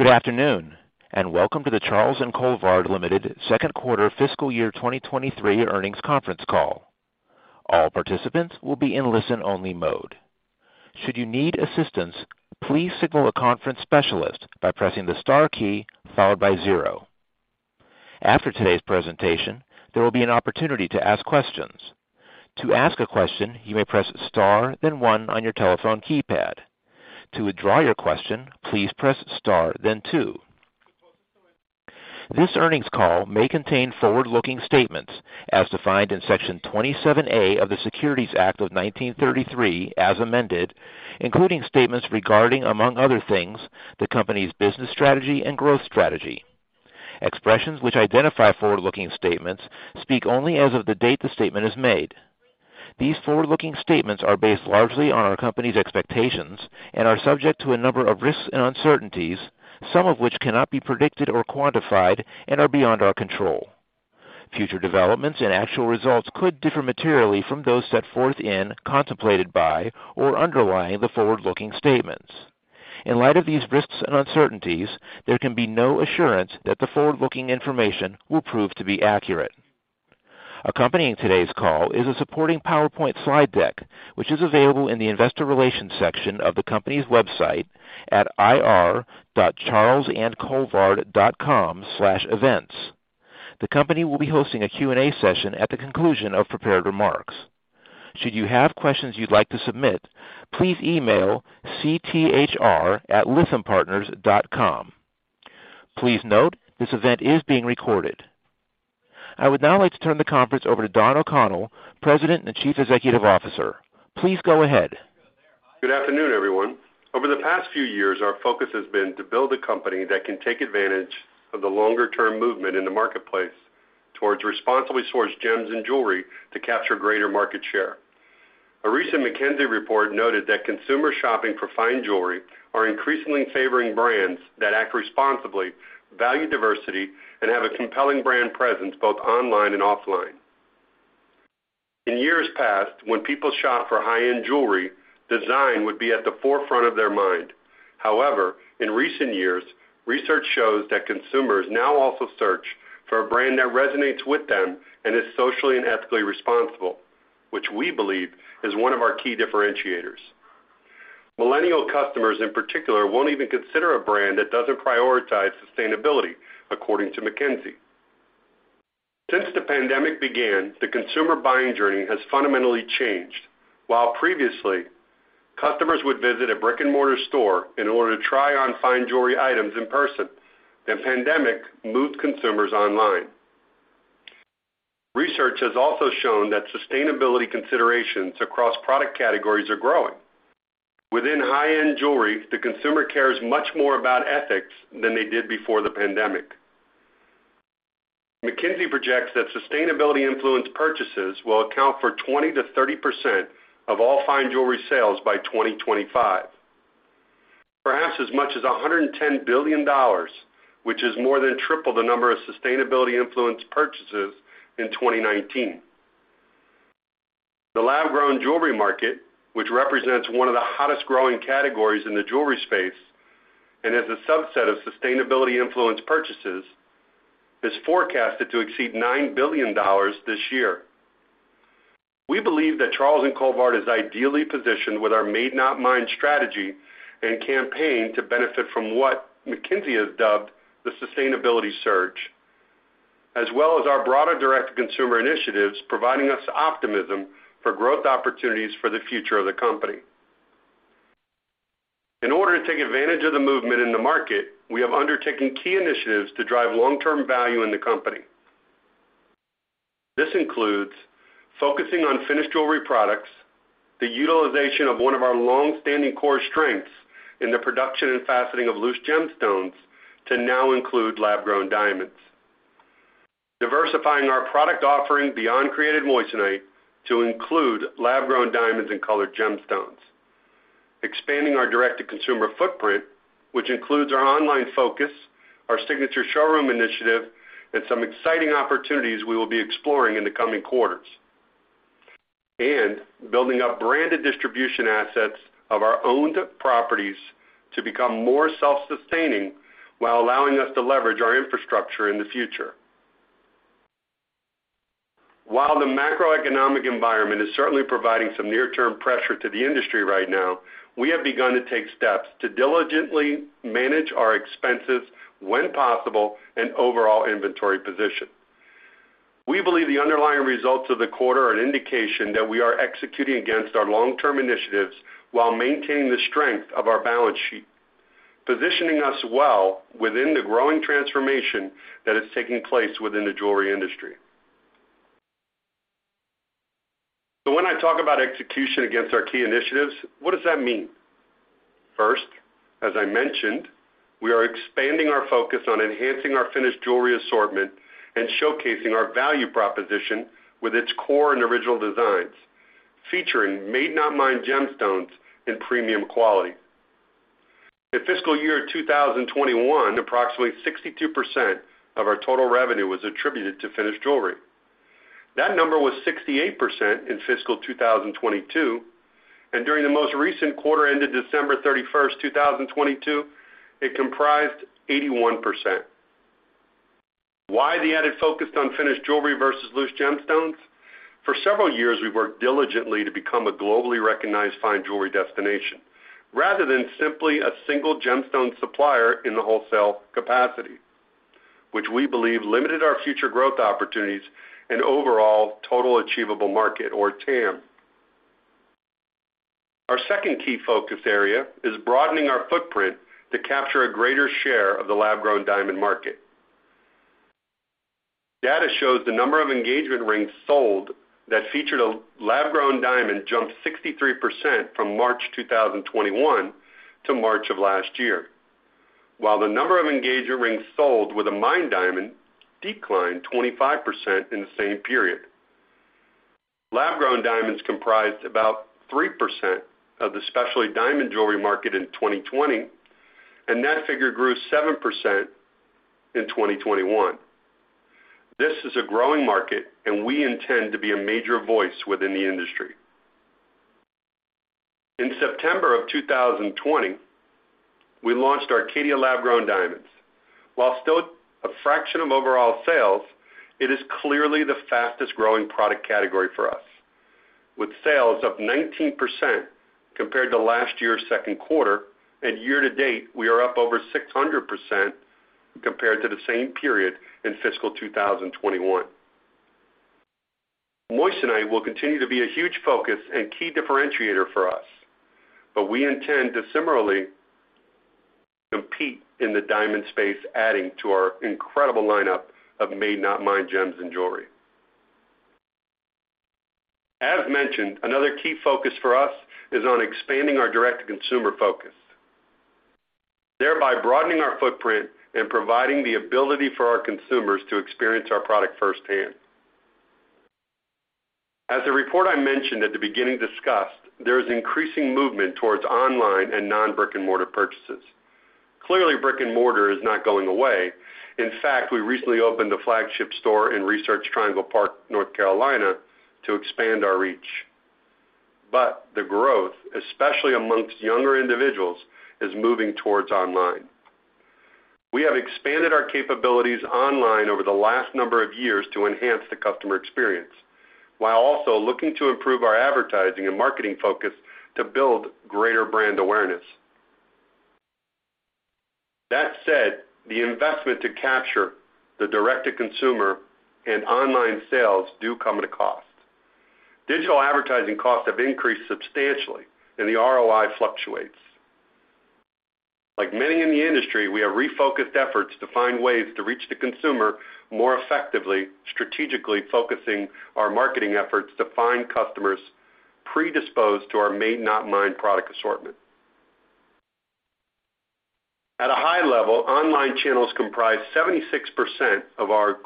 Good afternoon, welcome to the Charles & Colvard, Ltd. second quarter fiscal year 2023 earnings conference call. All participants will be in listen-only mode. Should you need assistance, please signal a conference specialist by pressing the star key followed by zero. After today's presentation, there will be an opportunity to ask questions. To ask a question, you may press star, then one on your telephone keypad. To withdraw your question, please press star then two. This earnings call may contain forward-looking statements as defined in Section 27A of the Securities Act of 1933, as amended, including statements regarding, among other things, the company's business strategy and growth strategy. Expressions which identify forward-looking statements speak only as of the date the statement is made. These forward-looking statements are based largely on our company's expectations and are subject to a number of risks and uncertainties, some of which cannot be predicted or quantified and are beyond our control. Future developments and actual results could differ materially from those set forth in, contemplated by, or underlying the forward-looking statements. In light of these risks and uncertainties, there can be no assurance that the forward-looking information will prove to be accurate. Accompanying today's call is a supporting PowerPoint slide deck, which is available in the Investor Relations section of the company's website at ir.charlesandcolvard.com/events. The company will be hosting a Q&A session at the conclusion of prepared remarks. Should you have questions you'd like to submit, please email cthr@lythampartners.com. Please note, this event is being recorded. I would now like to turn the conference over to Don O'Connell, President and Chief Executive Officer. Please go ahead. Good afternoon, everyone. Over the past few years, our focus has been to build a company that can take advantage of the longer-term movement in the marketplace towards responsibly sourced gems and jewelry to capture greater market share. A recent McKinsey report noted that consumer shopping for fine jewelry are increasingly favoring brands that act responsibly, value diversity, and have a compelling brand presence both online and offline. In years past, when people shopped for high-end jewelry, design would be at the forefront of their mind. However, in recent years, research shows that consumers now also search for a brand that resonates with them and is socially and ethically responsible, which we believe is one of our key differentiators. Millennial customers, in particular, won't even consider a brand that doesn't prioritize sustainability, according to McKinsey. Since the pandemic began, the consumer buying journey has fundamentally changed. While previously, customers would visit a brick-and-mortar store in order to try on fine jewelry items in person, the pandemic moved consumers online. Research has also shown that sustainability considerations across product categories are growing. Within high-end jewelry, the consumer cares much more about ethics than they did before the pandemic. McKinsey projects that sustainability-influenced purchases will account for 20%-30% of all fine jewelry sales by 2025. Perhaps as much as $110 billion, which is more than triple the number of sustainability-influenced purchases in 2019. The lab-grown jewelry market, which represents one of the hottest growing categories in the jewelry space and is a subset of sustainability-influenced purchases, is forecasted to exceed $9 billion this year. We believe that Charles & Colvard is ideally positioned with our Made Not Mined strategy and campaign to benefit from what McKinsey has dubbed the sustainability surge, as well as our broader direct-to-consumer initiatives providing us optimism for growth opportunities for the future of the company. In order to take advantage of the movement in the market, we have undertaken key initiatives to drive long-term value in the company. This includes focusing on finished jewelry products, the utilization of one of our long-standing core strengths in the production and faceting of loose gemstones to now include lab-grown diamonds. Diversifying our product offering beyond created moissanite to include lab-grown diamonds and colored gemstones. Expanding our direct-to-consumer footprint, which includes our online focus, our signature showroom initiative, and some exciting opportunities we will be exploring in the coming quarters. Building up branded distribution assets of our owned properties to become more self-sustaining while allowing us to leverage our infrastructure in the future. While the macroeconomic environment is certainly providing some near-term pressure to the industry right now, we have begun to take steps to diligently manage our expenses when possible and overall inventory position. We believe the underlying results of the quarter are an indication that we are executing against our long-term initiatives while maintaining the strength of our balance sheet, positioning us well within the growing transformation that is taking place within the jewelry industry. When I talk about execution against our key initiatives, what does that mean? First, as I mentioned, we are expanding our focus on enhancing our finished jewelry assortment and showcasing our value proposition with its core and original designs, featuring Made, Not Mined gemstones in premium quality. In fiscal year 2021, approximately 62% of our total revenue was attributed to finished jewelry. That number was 68% in fiscal 2022, and during the most recent quarter ended December 31st, 2022, it comprised 81%. Why the added focus on finished jewelry versus loose gemstones? For several years, we've worked diligently to become a globally recognized fine jewelry destination rather than simply a single gemstone supplier in the wholesale capacity, which we believe limited our future growth opportunities and overall total achievable market, or TAM. Our second key focus area is broadening our footprint to capture a greater share of the lab-grown diamond market. Data shows the number of engagement rings sold that featured a lab-grown diamond jumped 63% from March 2021 to March of last year, while the number of engagement rings sold with a mined diamond declined 25% in the same period. Lab-grown diamonds comprised about 3% of the specialty diamond jewelry market in 2020. That figure grew 7% in 2021. This is a growing market, and we intend to be a major voice within the industry. In September 2020, we launched Caydia lab-grown diamonds. While still a fraction of overall sales, it is clearly the fastest-growing product category for us. With sales up 19% compared to last year's second quarter and year-to-date, we are up over 600% compared to the same period in fiscal 2021. Moissanite will continue to be a huge focus and key differentiator for us, but we intend to similarly compete in the diamond space, adding to our incredible lineup of Made Not Mined gems and jewelry. As mentioned, another key focus for us is on expanding our direct-to-consumer focus, thereby broadening our footprint and providing the ability for our consumers to experience our product firsthand. As the report I mentioned at the beginning discussed, there is increasing movement towards online and non-brick-and-mortar purchases. Clearly, brick-and-mortar is not going away. In fact, we recently opened a flagship store in Research Triangle Park, North Carolina, to expand our reach. But the growth, especially amongst younger individuals, is moving towards online. We have expanded our capabilities online over the last number of years to enhance the customer experience while also looking to improve our advertising and marketing focus to build greater brand awareness. That said, the investment to capture the direct-to-consumer and online sales do come at a cost. Digital advertising costs have increased substantially, and the ROI fluctuates. Like many in the industry, we have refocused efforts to find ways to reach the consumer more effectively, strategically focusing our marketing efforts to find customers predisposed to our Made, Not Mined product assortment. At a high level, online channels comprise 76% of our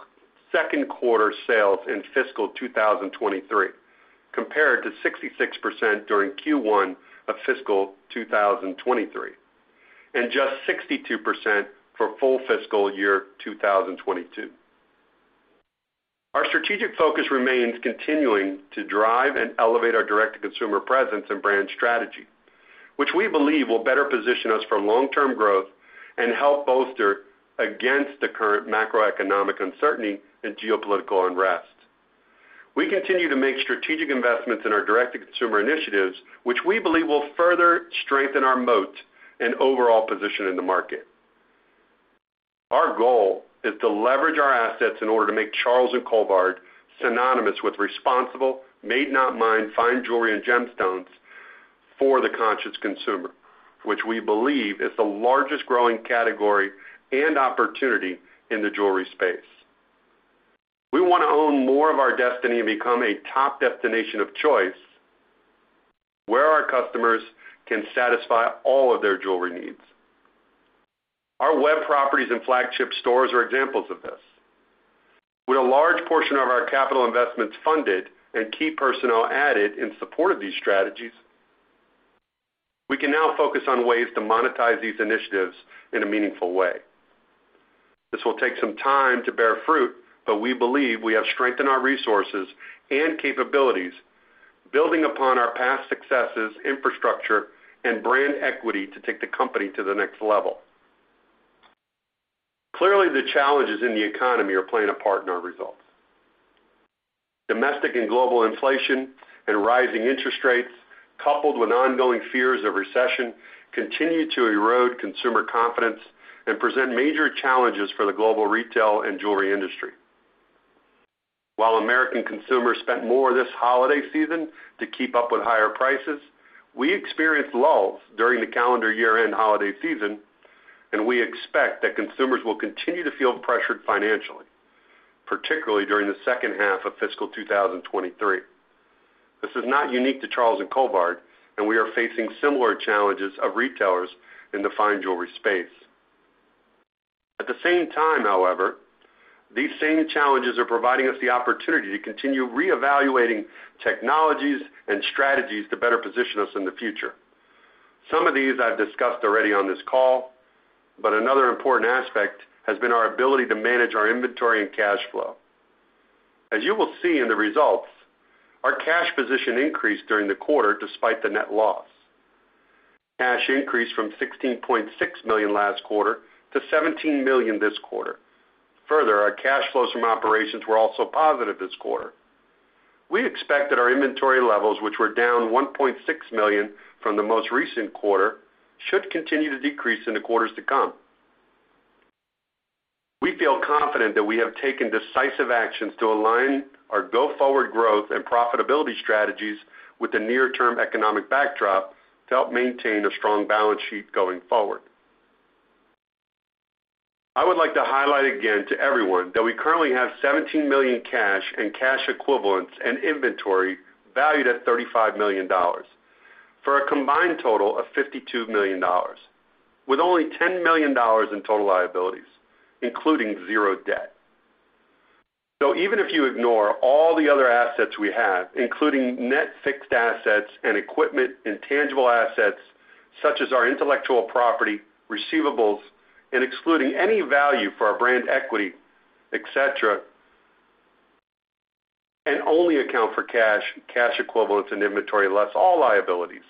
second quarter sales in fiscal 2023, compared to 66% during Q1 of fiscal 2023 and just 62% for full fiscal year 2022. Our strategic focus remains continuing to drive and elevate our direct-to-consumer presence and brand strategy, which we believe will better position us for long-term growth and help bolster against the current macroeconomic uncertainty and geopolitical unrest. We continue to make strategic investments in our direct-to-consumer initiatives, which we believe will further strengthen our moat and overall position in the market. Our goal is to leverage our assets in order to make Charles & Colvard synonymous with responsible, Made Not Mined fine jewelry and gemstones for the conscious consumer, which we believe is the largest growing category and opportunity in the jewelry space. We want to own more of our destiny and become a top destination of choice where our customers can satisfy all of their jewelry needs. Our web properties and flagship stores are examples of this. With a large portion of our capital investments funded and key personnel added in support of these strategies, we can now focus on ways to monetize these initiatives in a meaningful way. This will take some time to bear fruit, but we believe we have strengthened our resources and capabilities, building upon our past successes, infrastructure, and brand equity to take the company to the next level. Clearly, the challenges in the economy are playing a part in our results. Domestic and global inflation and rising interest rates, coupled with ongoing fears of recession, continue to erode consumer confidence and present major challenges for the global retail and jewelry industry. While American consumers spent more this holiday season to keep up with higher prices, we experienced lulls during the calendar year-end holiday season, and we expect that consumers will continue to feel pressured financially, particularly during the second half of fiscal 2023. This is not unique to Charles & Colvard, and we are facing similar challenges of retailers in the fine jewelry space. At the same time, however, these same challenges are providing us the opportunity to continue reevaluating technologies and strategies to better position us in the future. Some of these I've discussed already on this call, but another important aspect has been our ability to manage our inventory and cash flow. As you will see in the results, our cash position increased during the quarter despite the net loss. Cash increased from $16.6 million last quarter to $17 million this quarter. Further, our cash flows from operations were also positive this quarter. We expect that our inventory levels, which were down $1.6 million from the most recent quarter, should continue to decrease in the quarters to come. We feel confident that we have taken decisive actions to align our go-forward growth and profitability strategies with the near-term economic backdrop to help maintain a strong balance sheet going forward. I would like to highlight again to everyone that we currently have $17 million cash and cash equivalents and inventory valued at $35 million for a combined total of $52 million, with only $10 million in total liabilities, including 0 debt. Even if you ignore all the other assets we have, including net fixed assets and equipment, intangible assets such as our intellectual property, receivables, and excluding any value for our brand equity, et cetera, and only account for cash equivalents, and inventory, less all liabilities,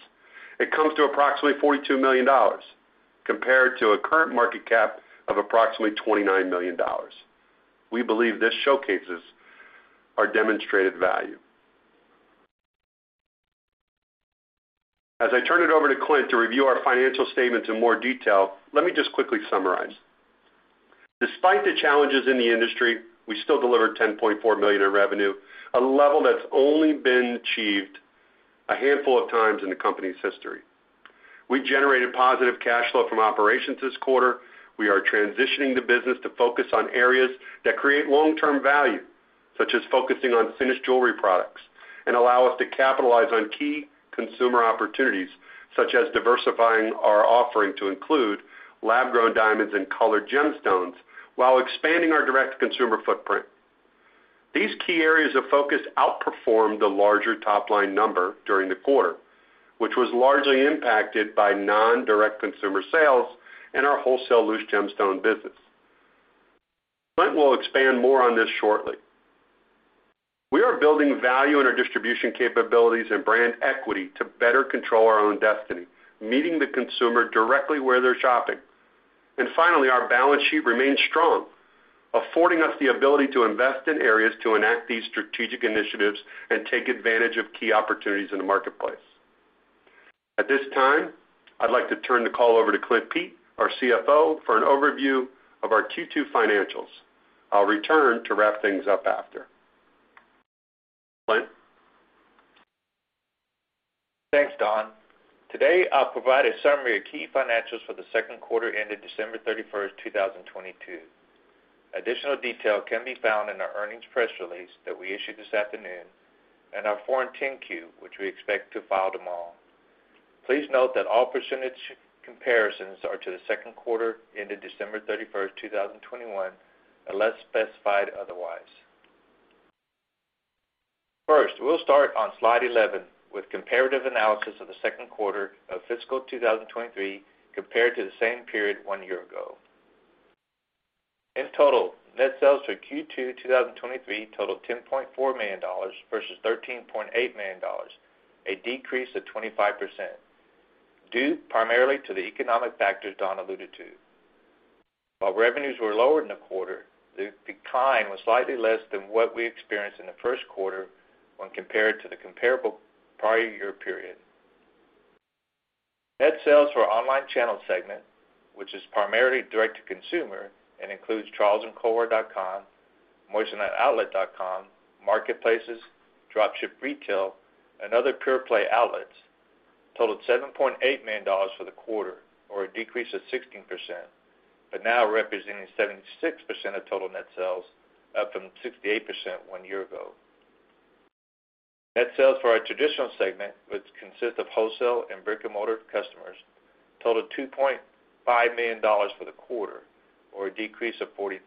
it comes to approximately $42 million compared to a current market cap of approximately $29 million. We believe this showcases our demonstrated value. As I turn it over to Clint to review our financial statements in more detail, let me just quickly summarize. Despite the challenges in the industry, we still delivered $10.4 million in revenue, a level that's only been achieved a handful of times in the company's history. We generated positive cash flow from operations this quarter. We are transitioning the business to focus on areas that create long-term value, such as focusing on finished jewelry products, and allow us to capitalize on key consumer opportunities, such as diversifying our offering to include lab-grown diamonds and colored gemstones while expanding our direct-to-consumer footprint. These key areas of focus outperformed the larger top-line number during the quarter, which was largely impacted by non-direct consumer sales and our wholesale loose gemstone business. Clint will expand more on this shortly. We are building value in our distribution capabilities and brand equity to better control our own destiny, meeting the consumer directly where they're shopping. Finally, our balance sheet remains strong, affording us the ability to invest in areas to enact these strategic initiatives and take advantage of key opportunities in the marketplace. At this time, I'd like to turn the call over to Clint Pete, our CFO, for an overview of our Q2 financials. I'll return to wrap things up after. Clint? Thanks, Don. Today, I'll provide a summary of key financials for the second quarter ended December 31st, 2022. Additional detail can be found in our earnings press release that we issued this afternoon and our Form 10-Q, which we expect to file tomorrow. Please note that all percentage comparisons are to the second quarter ended December 31st, 2021, unless specified otherwise. First, we'll start on slide 11 with comparative analysis of the second quarter of fiscal 2023 compared to the same period one year ago. In total, net sales for Q2, 2023 totaled $10.4 million versus $13.8 million, a decrease of 25%, due primarily to the economic factors Don alluded to. While revenues were lower in the quarter, the decline was slightly less than what we experienced in the first quarter when compared to the comparable prior year period. Net sales for our online channel segment, which is primarily direct-to-consumer and includes charlesandcolvard.com, moissaniteoutlet.com, marketplaces, dropship retail, and other pure-play outlets, totaled $7.8 million for the quarter, or a decrease of 16%, now representing 76% of total net sales, up from 68% one year ago. Net sales for our traditional segment, which consists of wholesale and brick-and-mortar customers, totaled $2.5 million for the quarter, or a decrease of 43%,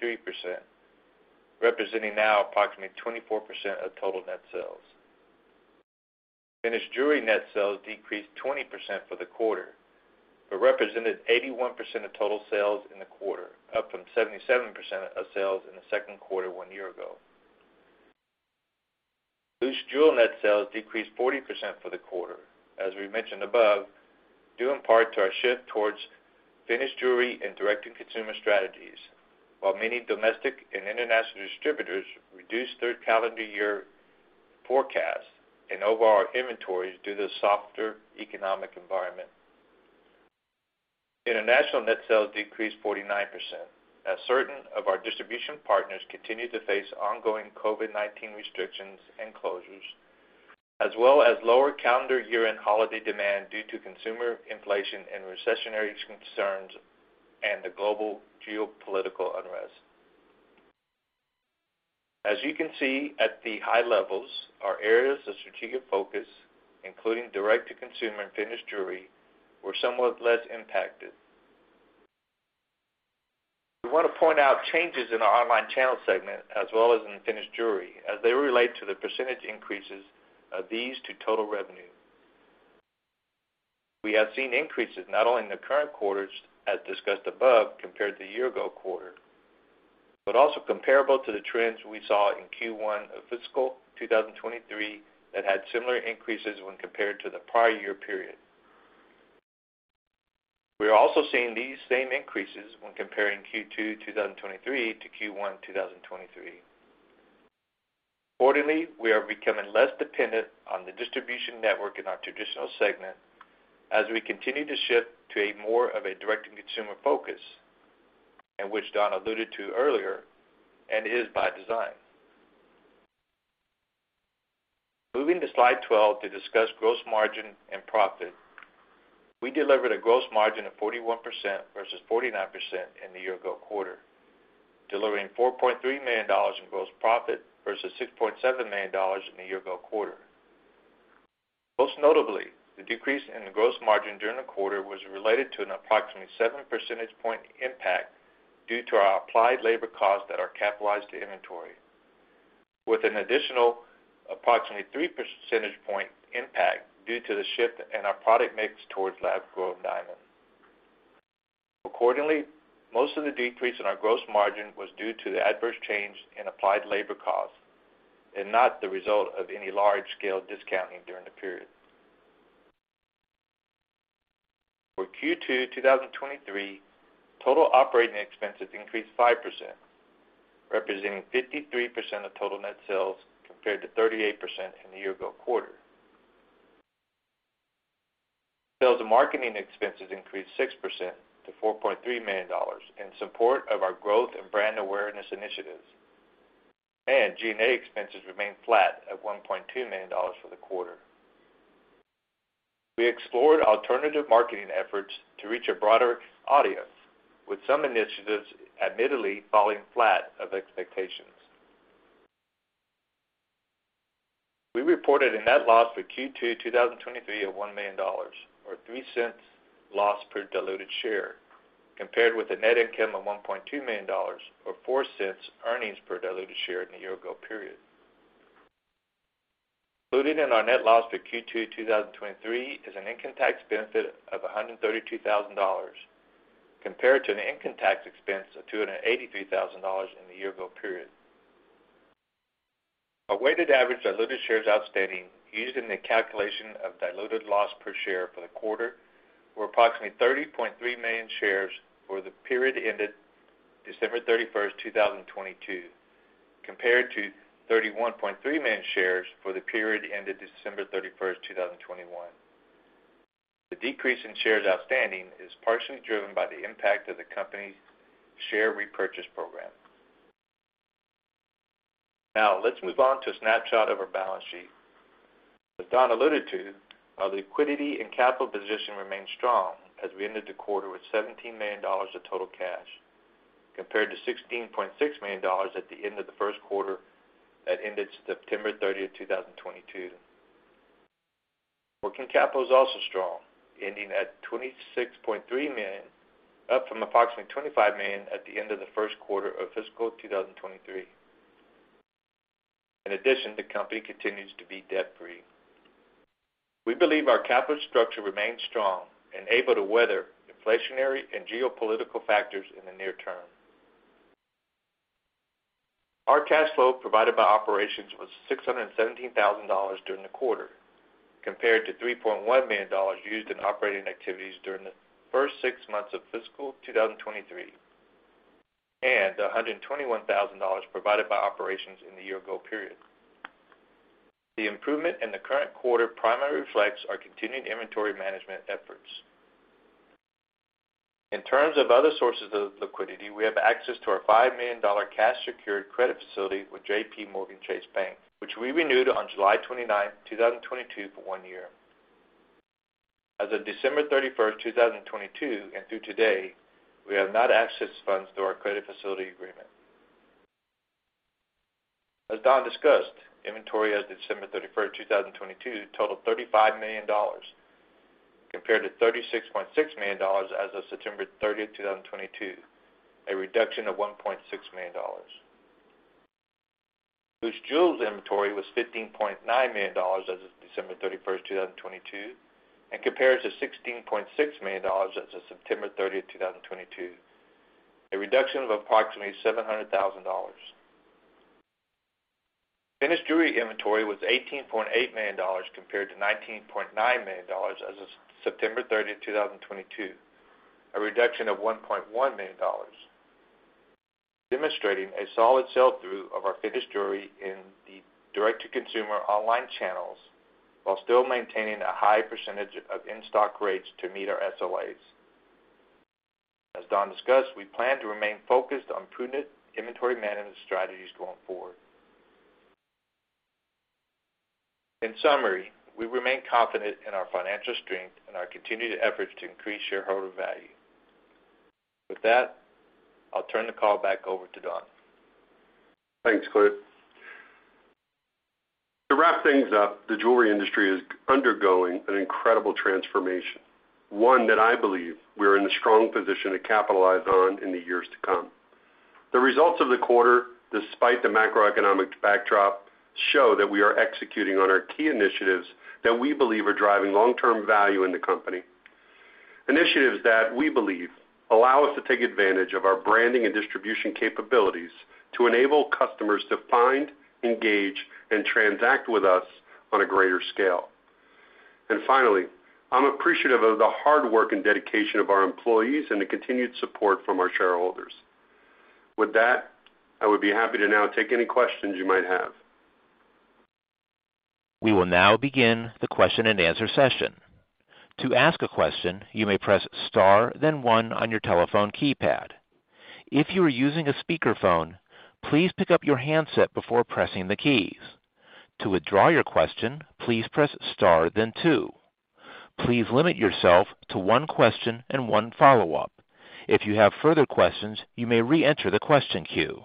representing now approximately 24% of total net sales. Finished jewelry net sales decreased 20% for the quarter, but represented 81% of total sales in the quarter, up from 77% of sales in the second quarter one year ago. Loose jewel net sales decreased 40% for the quarter, as we mentioned above, due in part to our shift towards finished jewelry and direct-to-consumer strategies. Many domestic and international distributors reduced third calendar year forecasts and overall inventories due to the softer economic environment. International net sales decreased 49% as certain of our distribution partners continued to face ongoing COVID-19 restrictions and closures, as well as lower calendar year-end holiday demand due to consumer inflation and recessionary concerns and the global geopolitical unrest. As you can see at the high levels, our areas of strategic focus, including direct-to-consumer and finished jewelry, were somewhat less impacted. We want to point out changes in our online channel segment as well as in finished jewelry as they relate to the percentage increases of these to total revenue. We have seen increases not only in the current quarters as discussed above compared to year ago quarter, but also comparable to the trends we saw in Q1 of fiscal 2023 that had similar increases when compared to the prior year period. We are also seeing these same increases when comparing Q2 2023 to Q1 2023. Accordingly, we are becoming less dependent on the distribution network in our traditional segment as we continue to shift to a more of a direct-to-consumer focus, which Don alluded to earlier, and is by design. Moving to slide 12 to discuss gross margin and profit. We delivered a gross margin of 41% versus 49% in the year ago quarter, delivering $4.3 million in gross profit versus $6.7 million in the year ago quarter. Most notably, the decrease in the gross margin during the quarter was related to an approximately 7 percentage point impact due to our applied labor costs that are capitalized to inventory, with an additional approximately 3 percentage point impact due to the shift in our product mix towards lab-grown diamond. Accordingly, most of the decrease in our gross margin was due to the adverse change in applied labor costs and not the result of any large-scale discounting during the period. For Q2 2023, total operating expenses increased 5%, representing 53% of total net sales compared to 38% in the year ago quarter. Sales and marketing expenses increased 6% to $4.3 million in support of our growth and brand awareness initiatives. G&A expenses remained flat at $1.2 million for the quarter. We explored alternative marketing efforts to reach a broader audience, with some initiatives admittedly falling flat of expectations. We reported a net loss for Q2 2023 of $1 million or $0.03 loss per diluted share, compared with a net income of $1.2 million or $0.04 earnings per diluted share in the year ago period. Included in our net loss for Q2 2023 is an income tax benefit of $132,000 compared to an income tax expense of $283,000 in the year ago period. Our weighted average of loaded shares outstanding used in the calculation of diluted loss per share for the quarter were approximately 30.3 million shares for the period ended December 31st, 2022, compared to 31.3 million shares for the period ended December 31st, 2021. The decrease in shares outstanding is partially driven by the impact of the company's share repurchase program. Let's move on to a snapshot of our balance sheet. As Don alluded to, our liquidity and capital position remains strong as we ended the quarter with $17 million of total cash compared to $16.6 million at the end of the first quarter that ended September 30th, 2022. Working capital is also strong, ending at $26.3 million, up from approximately $25 million at the end of the first quarter of fiscal 2023. In addition, the company continues to be debt-free. We believe our capital structure remains strong and able to weather inflationary and geopolitical factors in the near term. Our cash flow provided by operations was $617,000 during the quarter compared to $3.1 million used in operating activities during the first six months of fiscal 2023, and $121,000 provided by operations in the year ago period. The improvement in the current quarter primarily reflects our continuing inventory management efforts. In terms of other sources of liquidity, we have access to our $5 million cash secured credit facility with JPMorgan Chase Bank, which we renewed on July 29, 2022 for one year. As of December 31, 2022 and through today, we have not accessed funds through our credit facility agreement. As Don discussed, inventory as of December 31st, 2022 totaled $35 million compared to $36.6 million as of September 30th, 2022, a reduction of $1.6 million. Loose jewels inventory was $15.9 million as of December 31st, 2022 and compares to $16.6 million as of September 30th, 2022, a reduction of approximately $700,000. Finished jewelry inventory was $18.8 million compared to $19.9 million as of September 30th, 2022, a reduction of $1.1 million, demonstrating a solid sell-through of our finished jewelry in the direct-to-consumer online channels while still maintaining a high percentage of in-stock rates to meet our SLAs. As Don discussed, we plan to remain focused on prudent inventory management strategies going forward. In summary, we remain confident in our financial strength and our continued efforts to increase shareholder value. With that, I'll turn the call back over to Don. Thanks, Clint. To wrap things up, the jewelry industry is undergoing an incredible transformation, one that I believe we are in a strong position to capitalize on in the years to come. The results of the quarter, despite the macroeconomic backdrop, show that we are executing on our key initiatives that we believe are driving long-term value in the company, initiatives that we believe allow us to take advantage of our branding and distribution capabilities to enable customers to find, engage, and transact with us on a greater scale. Finally, I'm appreciative of the hard work and dedication of our employees and the continued support from our shareholders. With that, I would be happy to now take any questions you might have. We will now begin the question-and-answer session. To ask a question, you may press star then one on your telephone keypad. If you are using a speakerphone, please pick up your handset before pressing the keys. To withdraw your question, please press star then two. Please limit yourself to one question and one follow-up. If you have further questions, you may reenter the question queue.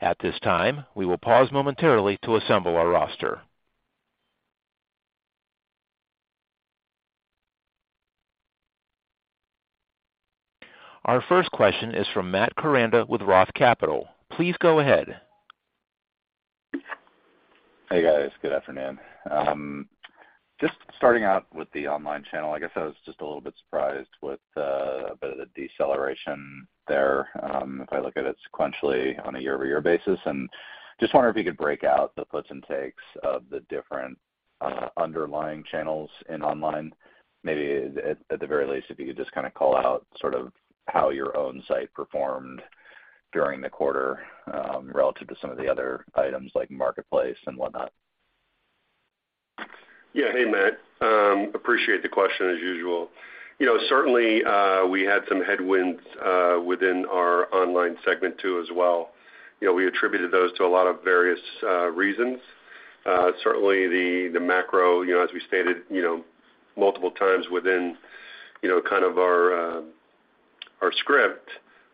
At this time, we will pause momentarily to assemble our roster. Our first question is from Matt Koranda with Roth Capital. Please go ahead. Hey, guys. Good afternoon. Just starting out with the online channel, I guess I was just a little bit surprised with a bit of the deceleration there, if I look at it sequentially on a year-over-year basis. Just wonder if you could break out the puts and takes of the different underlying channels in online. Maybe at the very least, if you could just kinda call out sort of how your own site performed during the quarter, relative to some of the other items like Marketplace and whatnot. ppreciate the question as usual. You know, certainly, we had some headwinds within our online segment too as well. We attributed those to a lot of various reasons. Certainly the macro, as we stated multiple times within kind of our script,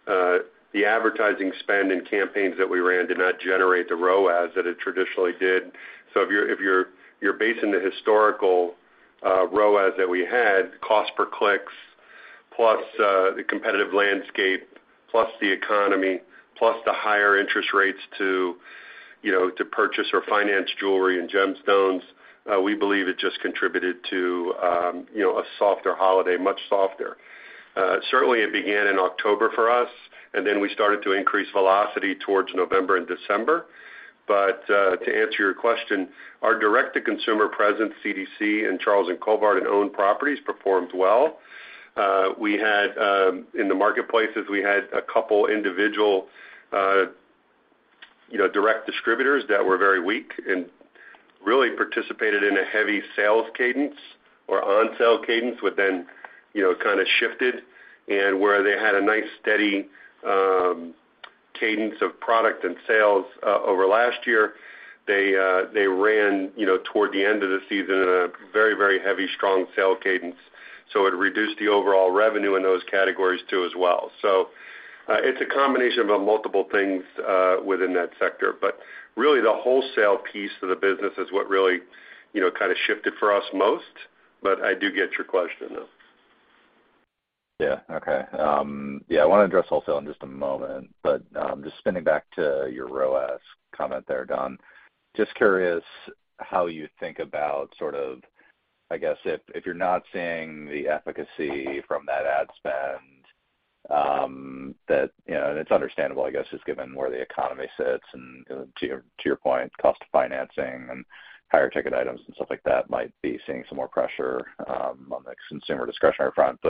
the advertising spend and campaigns that we ran did not generate the ROAS that it traditionally did. So if you're basing the historical ROAS that we had, cost per clicks, plus the competitive landscape, plus the economy, plus the higher interest rates to purchase or finance jewelry and gemstones, we believe it just contributed to a softer holiday, much softer Certainly it began in October for us, and then we started to increase velocity towards November and December. To answer your question, our direct-to-consumer presence, DTC, and Charles & Colvard and owned properties performed well. We had, in the marketplaces, we had a couple individual, you know, direct distributors that were very weak and really participated in a heavy sales cadence or onsell cadence, which then, you know, kinda shifted. Where they had a nice, steady, cadence of product and sales, over last year, they ran, you know, toward the end of the season in a very, very heavy, strong sale cadence. It reduced the overall revenue in those categories too as well. It's a combination of multiple things within that sector. Really, the wholesale piece of the business is what really, you know, kinda shifted for us most. I do get your question, though. Yeah. Okay. Yeah, I wanna address wholesale in just a moment, but, just spinning back to your ROAS comment there, Don. Just curious how you think about sort of, I guess if you're not seeing the efficacy from that ad spend, that, you know, and it's understandable, I guess, just given where the economy sits and, to your, to your point, cost of financing and higher ticket items and stuff like that might be seeing some more pressure on the consumer discretionary front.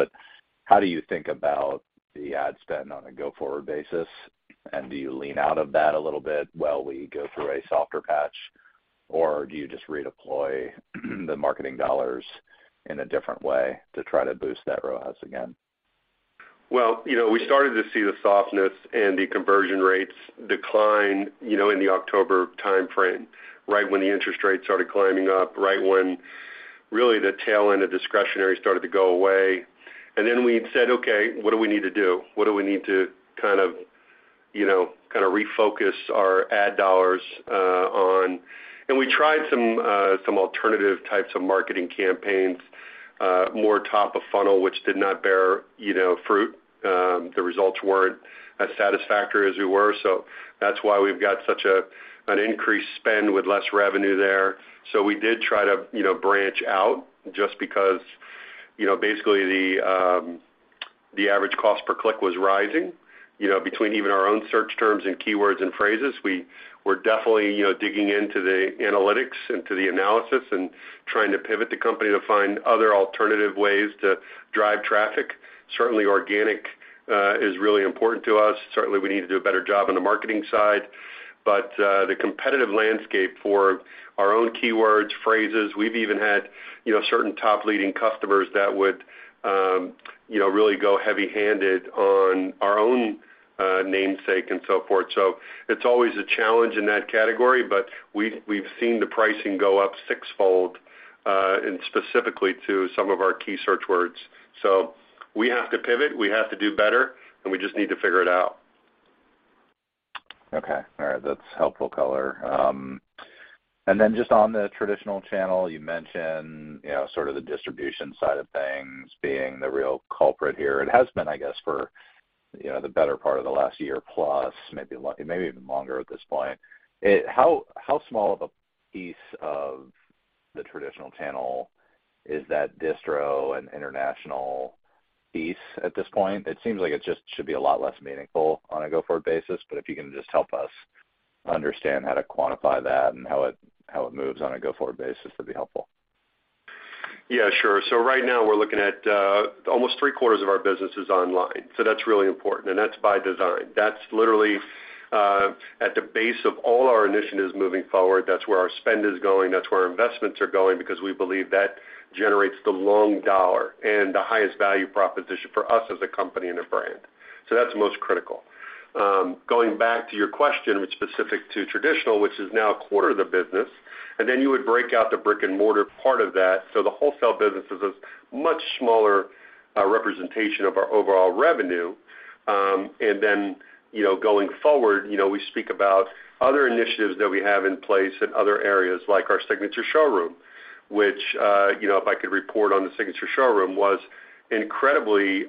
How do you think about the ad spend on a go-forward basis? Do you lean out of that a little bit while we go through a softer patch? Or do you just redeploy the marketing dollars in a different way to try to boost that ROAS again? Well, you know, we started to see the softness and the conversion rates decline, you know, in the October timeframe, right when the interest rates started climbing up, right when really the tail end of discretionary started to go away. We said, "Okay, what do we need to do? What do we need to kind of, you know, kinda refocus our ad dollars on?" We tried some alternative types of marketing campaigns, more top of funnel, which did not bear, you know, fruit. The results weren't as satisfactory as we were. That's why we've got such a, an increased spend with less revenue there. We did try to, you know, branch out just because, you know, basically the average cost per click was rising, you know, between even our own search terms and keywords and phrases. We were definitely, you know, digging into the analytics and to the analysis and trying to pivot the company to find other alternative ways to drive traffic. Certainly organic is really important to us. Certainly we need to do a better job on the marketing side. The competitive landscape for our own keywords, phrases, we've even had, you know, certain top leading customers that would, you know, really go heavy-handed on our own namesake and so forth. It's always a challenge in that category, but we've seen the pricing go up sixfold and specifically to some of our key search words. We have to pivot, we have to do better, and we just need to figure it out. Okay. All right. That's helpful color. Just on the traditional channel, you mentioned, you know, sort of the distribution side of things being the real culprit here. It has been, I guess, for, you know, the better part of the last year plus, maybe even longer at this point. How small of a piece of the traditional channel is that distro and international piece at this point? It seems like it just should be a lot less meaningful on a go-forward basis, but if you can just help us understand how to quantify that and how it moves on a go-forward basis, that'd be helpful. Yeah, sure. Right now, we're looking at almost three-quarters of our business is online. That's really important, and that's by design. That's literally at the base of all our initiatives moving forward. That's where our spend is going. That's where our investments are going because we believe that generates the long dollar and the highest value proposition for us as a company and a brand. That's most critical. Going back to your question, which is specific to traditional, which is now a quarter of the business, and then you would break out the brick-and-mortar part of that. The wholesale business is a much smaller representation of our overall revenue. Then, you know, going forward, you know, we speak about other initiatives that we have in place in other areas like our signature showroom, which, you know, if I could report on the signature showroom, was incredibly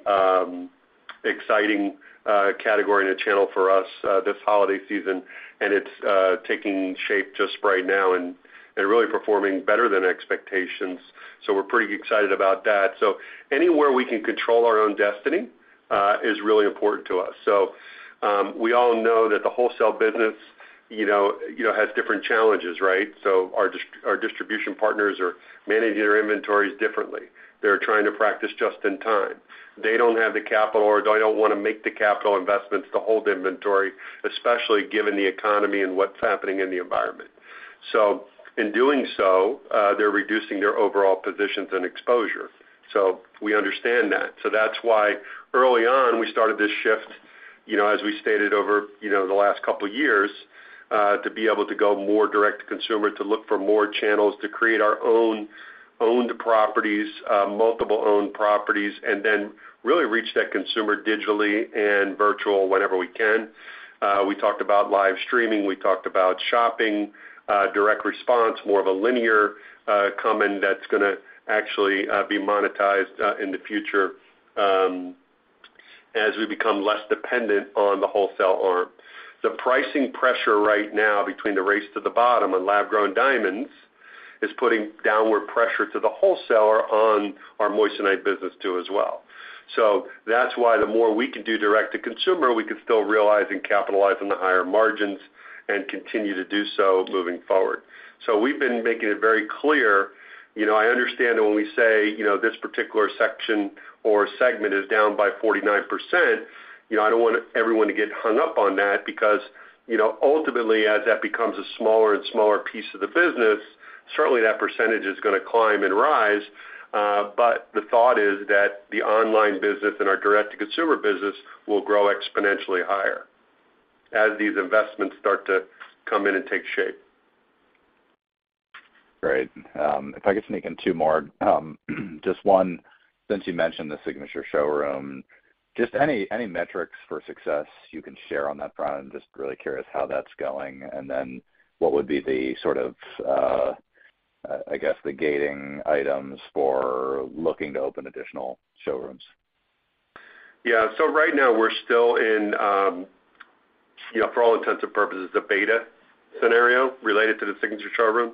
exciting category and a channel for us this holiday season. It's taking shape just right now and really performing better than expectations. We're pretty excited about that. Anywhere we can control our own destiny is really important to us. We all know that the wholesale business, you know, has different challenges, right? Our distribution partners are managing their inventories differently. They're trying to practice just in time. They don't have the capital or they don't wanna make the capital investments to hold inventory, especially given the economy and what's happening in the environment. In doing so, they're reducing their overall positions and exposure. We understand that. That's why early on, we started this shift, you know, as we stated over, you know, the last couple years, to be able to go more direct to consumer, to look for more channels, to create our own owned properties, multiple owned properties, and then really reach that consumer digitally and virtual whenever we can. We talked about live streaming. We talked about shopping, direct response, more of a linear, come in that's gonna actually be monetized in the future, as we become less dependent on the wholesale arm. The pricing pressure right now between the race to the bottom and lab-grown diamonds is putting downward pressure to the wholesaler on our moissanite business too as well. That's why the more we can do direct to consumer, we can still realize and capitalize on the higher margins and continue to do so moving forward. We've been making it very clear, you know, I understand when we say, you know, this particular section or segment is down by 49%, you know, I don't want everyone to get hung up on that because, you know, ultimately, as that becomes a smaller and smaller piece of the business, certainly that percentage is gonna climb and rise. The thought is that the online business and our direct-to-consumer business will grow exponentially higher as these investments start to come in and take shape. Great. If I could sneak in two more. Just one, since you mentioned the signature showroom, just any metrics for success you can share on that front? I'm just really curious how that's going. Then what would be the sort of, guess the gating items for looking to open additional showrooms? Right now, we're still in, you know, for all intents and purposes, the beta scenario related to the signature showroom.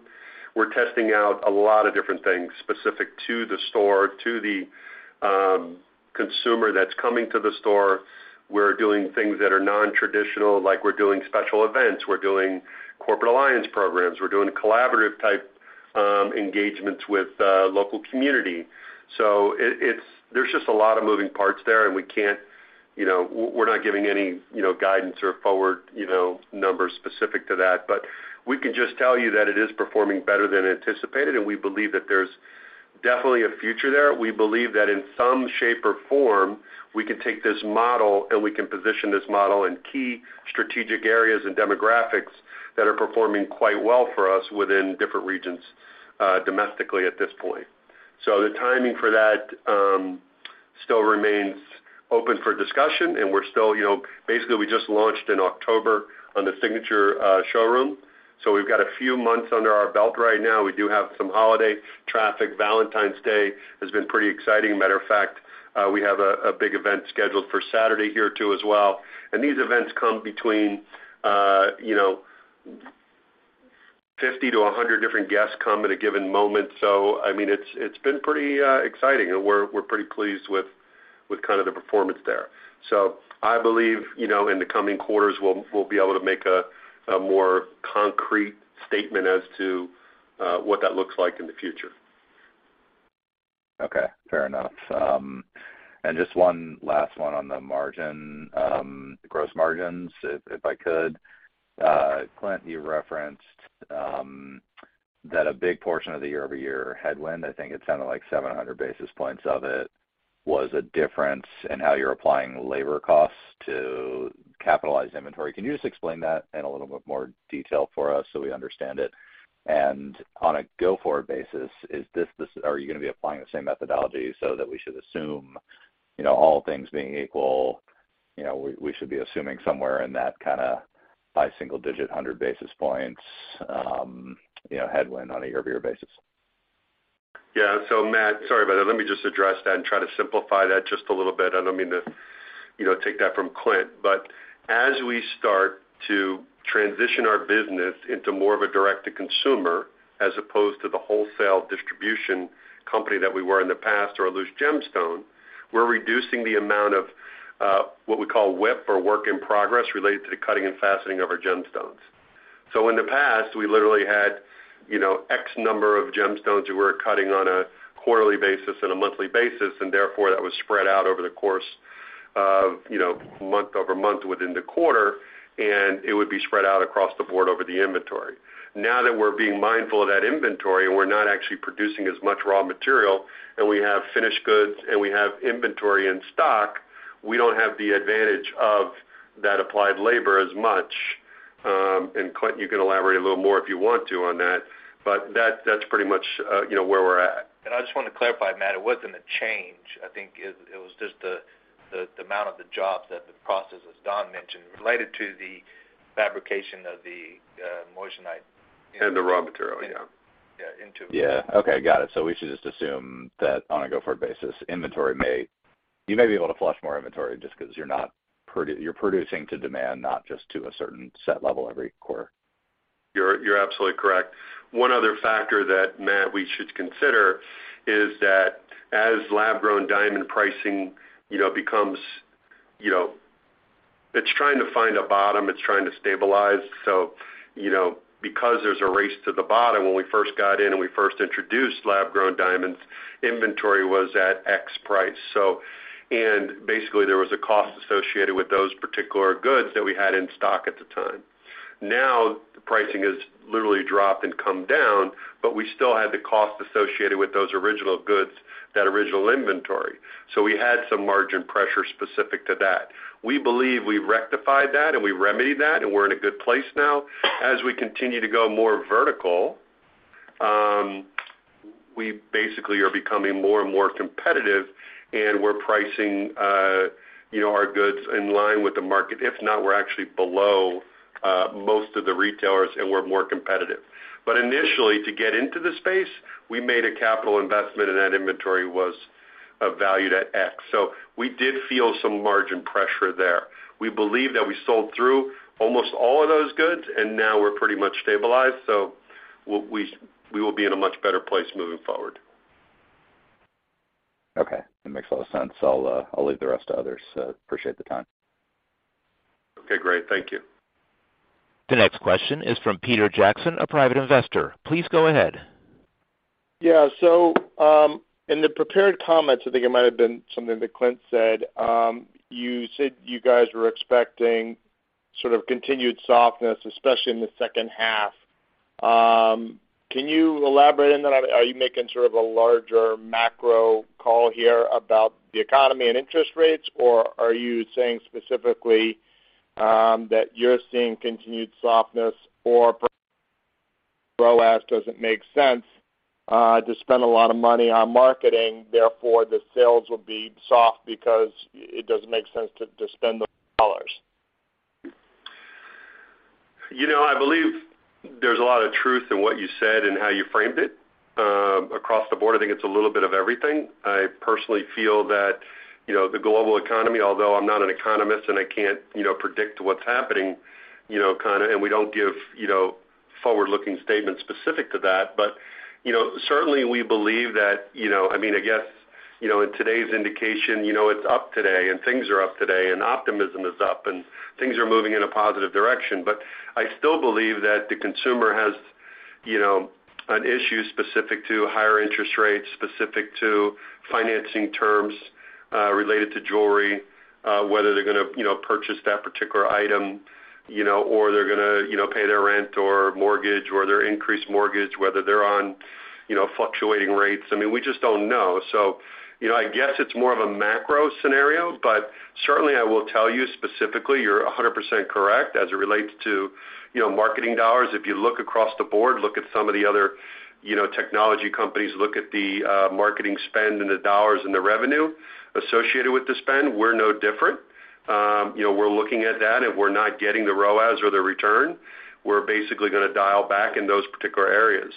We're testing out a lot of different things specific to the store, to the consumer that's coming to the store. We're doing things that are non-traditional, like we're doing special events. We're doing corporate alliance programs. We're doing collaborative type engagements with local community. It's there's just a lot of moving parts there, and we can't, you know, we're not giving any, you know, guidance or forward, you know, numbers specific to that. We can just tell you that it is performing better than anticipated, and we believe that there's definitely a future there. We believe that in some shape or form, we can take this model, and we can position this model in key strategic areas and demographics that are performing quite well for us within different regions domestically at this point. The timing for that still remains open for discussion, and we're still, you know. Basically, we just launched in October on the signature showroom. We've got a few months under our belt right now. We do have some holiday traffic. Valentine's Day has been pretty exciting. Matter of fact, we have a big event scheduled for Saturday here too as well. These events come between, you know, 50 to 100 different guests come at a given moment. I mean, it's been pretty exciting, and we're pretty pleased with kind of the performance there. I believe, you know, in the coming quarters, we'll be able to make a more concrete statement as to what that looks like in the future. Okay. Fair enough. Just one last one on the margin, the gross margins, if I could. Clint, you referenced that a big portion of the year-over-year headwind, I think it sounded like 700 basis points of it was a difference in how you're applying labor costs to capitalized inventory. Can you just explain that in a little bit more detail for us so we understand it? On a go-forward basis, are you gonna be applying the same methodology so that we should assume, you know, all things being equal, you know, we should be assuming somewhere in that kindaBy single digit, 100 basis points, you know, headwind on a year-over-year basis? Yeah. Matt, sorry about that. Let me just address that and try to simplify that just a little bit. I don't mean to, you know, take that from Clint, but as we start to transition our business into more of a direct-to-consumer as opposed to the wholesale distribution company that we were in the past or a loose gemstone, we're reducing the amount of what we call WIP or work in progress related to the cutting and faceting of our gemstones. In the past, we literally had, you know, x number of gemstones that we're cutting on a quarterly basis and a monthly basis, and therefore, that was spread out over the course of, you know, month-over-month within the quarter, and it would be spread out across the board over the inventory. Now that we're being mindful of that inventory and we're not actually producing as much raw material, and we have finished goods and we have inventory in stock, we don't have the advantage of that applied labor as much. Clint, you can elaborate a little more if you want to on that, but that's pretty much, you know, where we're at. I just wanna clarify, Matt, it wasn't a change. I think it was just the amount of the jobs that the process, as Don mentioned, related to the fabrication of the moissanite. The raw material, yeah. Yeah. Yeah. Okay. Got it. We should just assume that on a go-forward basis, you may be able to flush more inventory just 'cause you're not producing to demand, not just to a certain set level every quarter. You're absolutely correct. One other factor that, Matt, we should consider is that as lab-grown diamond pricing, you know, becomes, you know, it's trying to find a bottom, it's trying to stabilize. Because there's a race to the bottom when we first got in and we first introduced lab-grown diamonds, inventory was at X price. Basically, there was a cost associated with those particular goods that we had in stock at the time. Now, the pricing has literally dropped and come down, but we still had the cost associated with those original goods, that original inventory. We had some margin pressure specific to that. We believe we've rectified that, and we remedied that, and we're in a good place now. As we continue to go more vertical, we basically are becoming more and more competitive. We're pricing, you know, our goods in line with the market. If not, we're actually below most of the retailers, and we're more competitive. Initially, to get into the space, we made a capital investment, and that inventory was valued at X. We did feel some margin pressure there. We believe that we sold through almost all of those goods. Now we're pretty much stabilized. We will be in a much better place moving forward. Okay. That makes a lot of sense. I'll leave the rest to others. Appreciate the time. Okay, great. Thank you. The next question is from Peter Jackson, a private investor. Please go ahead. In the prepared comments, I think it might have been something that Clint said, you said you guys were expecting sort of continued softness, especially in the second half. Can you elaborate on that? Are you making sort of a larger macro call here about the economy and interest rates, or are you saying specifically that you're seeing continued softness or ROAS doesn't make sense to spend a lot of money on marketing, therefore, the sales will be soft because it doesn't make sense to spend the dollars? You know, I believe there's a lot of truth in what you said and how you framed it. Across the board, I think it's a little bit of everything. I personally feel that, you know, the global economy, although I'm not an economist and I can't, you know, predict what's happening, you know, kinda, we don't give, you know, forward-looking statements specific to that. You know, certainly we believe that, you know, I mean, I guess, you know, in today's indication, you know, it's up today and things are up today and optimism is up and things are moving in a positive direction. I still believe that the consumer has, you know, an issue specific to higher interest rates, specific to financing terms, related to jewelry, whether they're gonna, you know, purchase that particular item, you know, or they're gonna, you know, pay their rent or mortgage or their increased mortgage, whether they're on, you know, fluctuating rates. I mean, we just don't know. You know, I guess it's more of a macro scenario, but certainly I will tell you specifically, you're 100% correct as it relates to, you know, marketing dollars. If you look across the board, look at some of the other, you know, technology companies, look at the marketing spend and the dollars and the revenue associated with the spend, we're no different. You know, we're looking at that. If we're not getting the ROAS or the return, we're basically gonna dial back in those particular areas.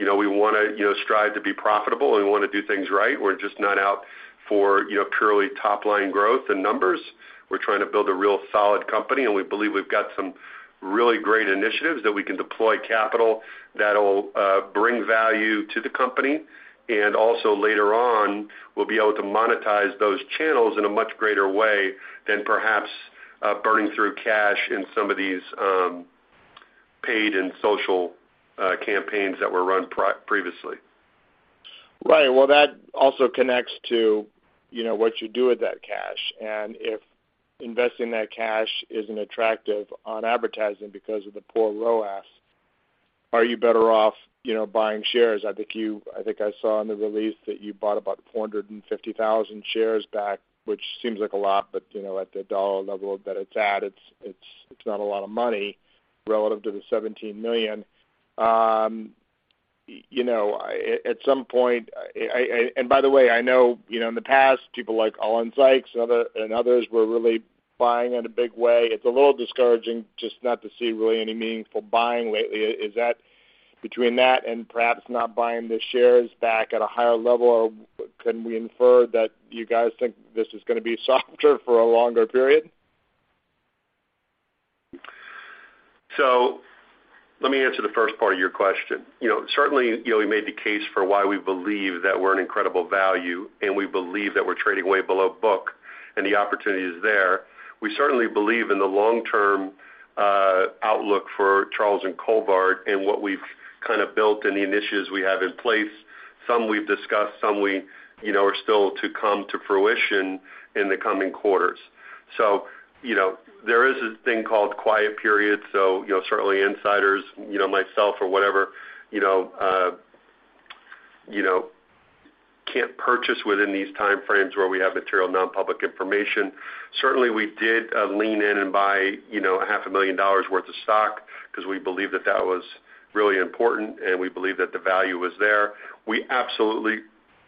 You know, we wanna, you know, strive to be profitable and we wanna do things right. We're just not out for, you know, purely top-line growth and numbers. We're trying to build a real solid company, and we believe we've got some really great initiatives that we can deploy capital that'll bring value to the company. Also later on, we'll be able to monetize those channels in a much greater way than perhaps burning through cash in some of these paid and social campaigns that were run pre-previously. Right. Well, that also connects to, you know, what you do with that cash. If investing that cash isn't attractive on advertising because of the poor ROAS, are you better off, you know, buying shares? I think I saw in the release that you bought about 450,000 shares back, which seems like a lot, but, you know, at the dollar level that it's at, it's, it's not a lot of money relative to the $17 million. You know, I, and by the way, I know, you know, in the past, people like Ollin B. Sykes and others were really buying in a big way. It's a little discouraging just not to see really any meaningful buying lately. Is that between that and perhaps not buying the shares back at a higher level, can we infer that you guys think this is gonna be softer for a longer period? Let me answer the first part of your question. You know, certainly, you know, we made the case for why we believe that we're an incredible value, and we believe that we're trading way below book, and the opportunity is there. We certainly believe in the long-term outlook for Charles & Colvard and what we've kinda built and the initiatives we have in place. Some we've discussed, some we, you know, are still to come to fruition in the coming quarters. You know, there is this thing called quiet period, so, you know, certainly insiders, you know, myself or whatever, you know, can't purchase within these time frames where we have material non-public information. Certainly, we did lean in and buy, you know, half a million dollars worth of stock because we believe that that was really important. We believe that the value was there. We absolutely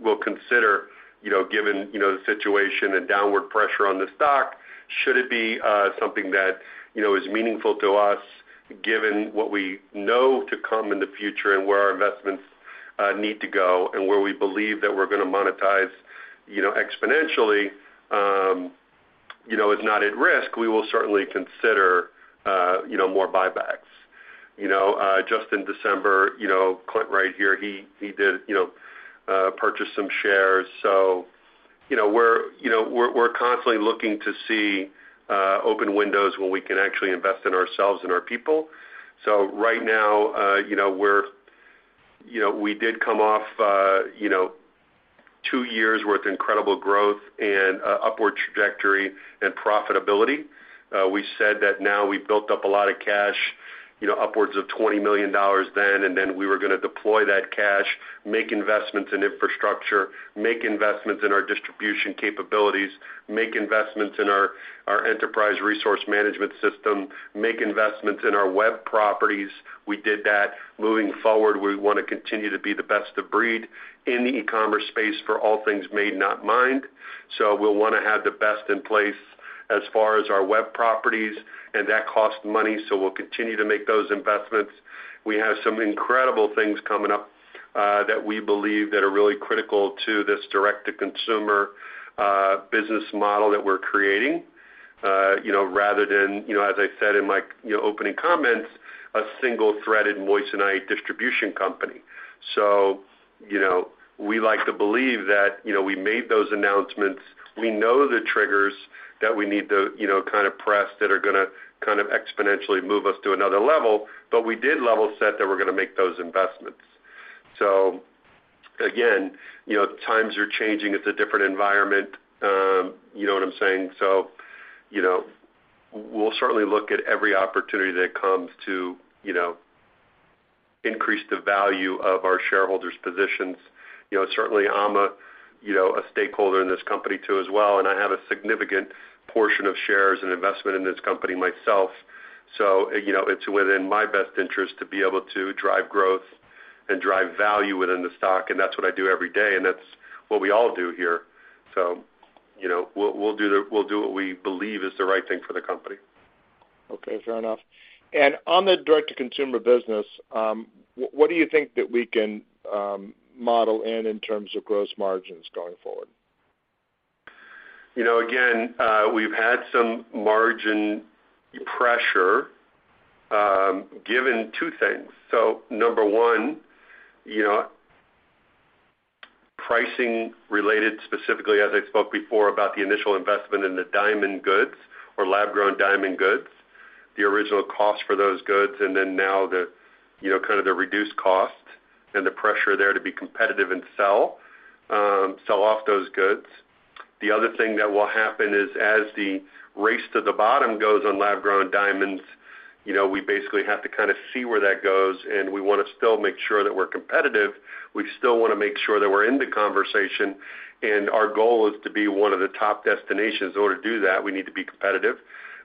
will consider, you know, given, you know, the situation and downward pressure on the stock, should it be something that, you know, is meaningful to us, given what we know to come in the future and where our investments need to go and where we believe that we're gonna monetize, you know, exponentially, you know, is not at risk, we will certainly consider, you know, more buybacks. Just in December, you know, Clint Pete here, he did, you know, purchased some shares. You know, we're, you know, we're constantly looking to see open windows where we can actually invest in ourselves and our people. Right now, you know, we're, you know, we did come off, you know, 2 years' worth of incredible growth and upward trajectory and profitability. We said that now we've built up a lot of cash, you know, upwards of $20 million then, and then we were gonna deploy that cash, make investments in infrastructure, make investments in our distribution capabilities, make investments in our enterprise resource management system, make investments in our web properties. We did that. Moving forward, we wanna continue to be the best of breed in the e-commerce space for all things Made, Not Mined. We'll wanna have the best in place as far as our web properties, and that costs money, so we'll continue to make those investments. We have some incredible things coming up that we believe that are really critical to this direct-to-consumer business model that we're creating, you know, rather than, you know, as I said in my, you know, opening comments, a single-threaded moissanite distribution company. You know, we like to believe that, you know, we made those announcements. We know the triggers that we need to, you know, kind of press that are gonna kind of exponentially move us to another level. We did level set that we're gonna make those investments. Again, you know, times are changing. It's a different environment, you know what I'm saying? we'll certainly look at every opportunity that comes to, you know, increase the value of our shareholders' positions. You know, certainly I'm a, you know, a stakeholder in this company too as well, and I have a significant portion of shares and investment in this company myself. it's within my best interest to be able to drive growth and drive value within the stock, and that's what I do every day, and that's what we all do here. you know, we'll do what we believe is the right thing for the company. Okay, fair enough. On the direct-to-consumer business, what do you think that we can model in terms of gross margins going forward? You know, again, we've had some margin pressure, given two things. Number one, you know, pricing related specifically, as I spoke before, about the initial investment in the diamond goods or lab-grown diamond goods, the original cost for those goods, and then now the, you know, kind of the reduced cost and the pressure there to be competitive and sell off those goods. The other thing that will happen is as the race to the bottom goes on lab-grown diamonds, you know, we basically have to kinda see where that goes, and we wanna still make sure that we're competitive. We still wanna make sure that we're in the conversation, and our goal is to be one of the top destinations. In order to do that, we need to be competitive.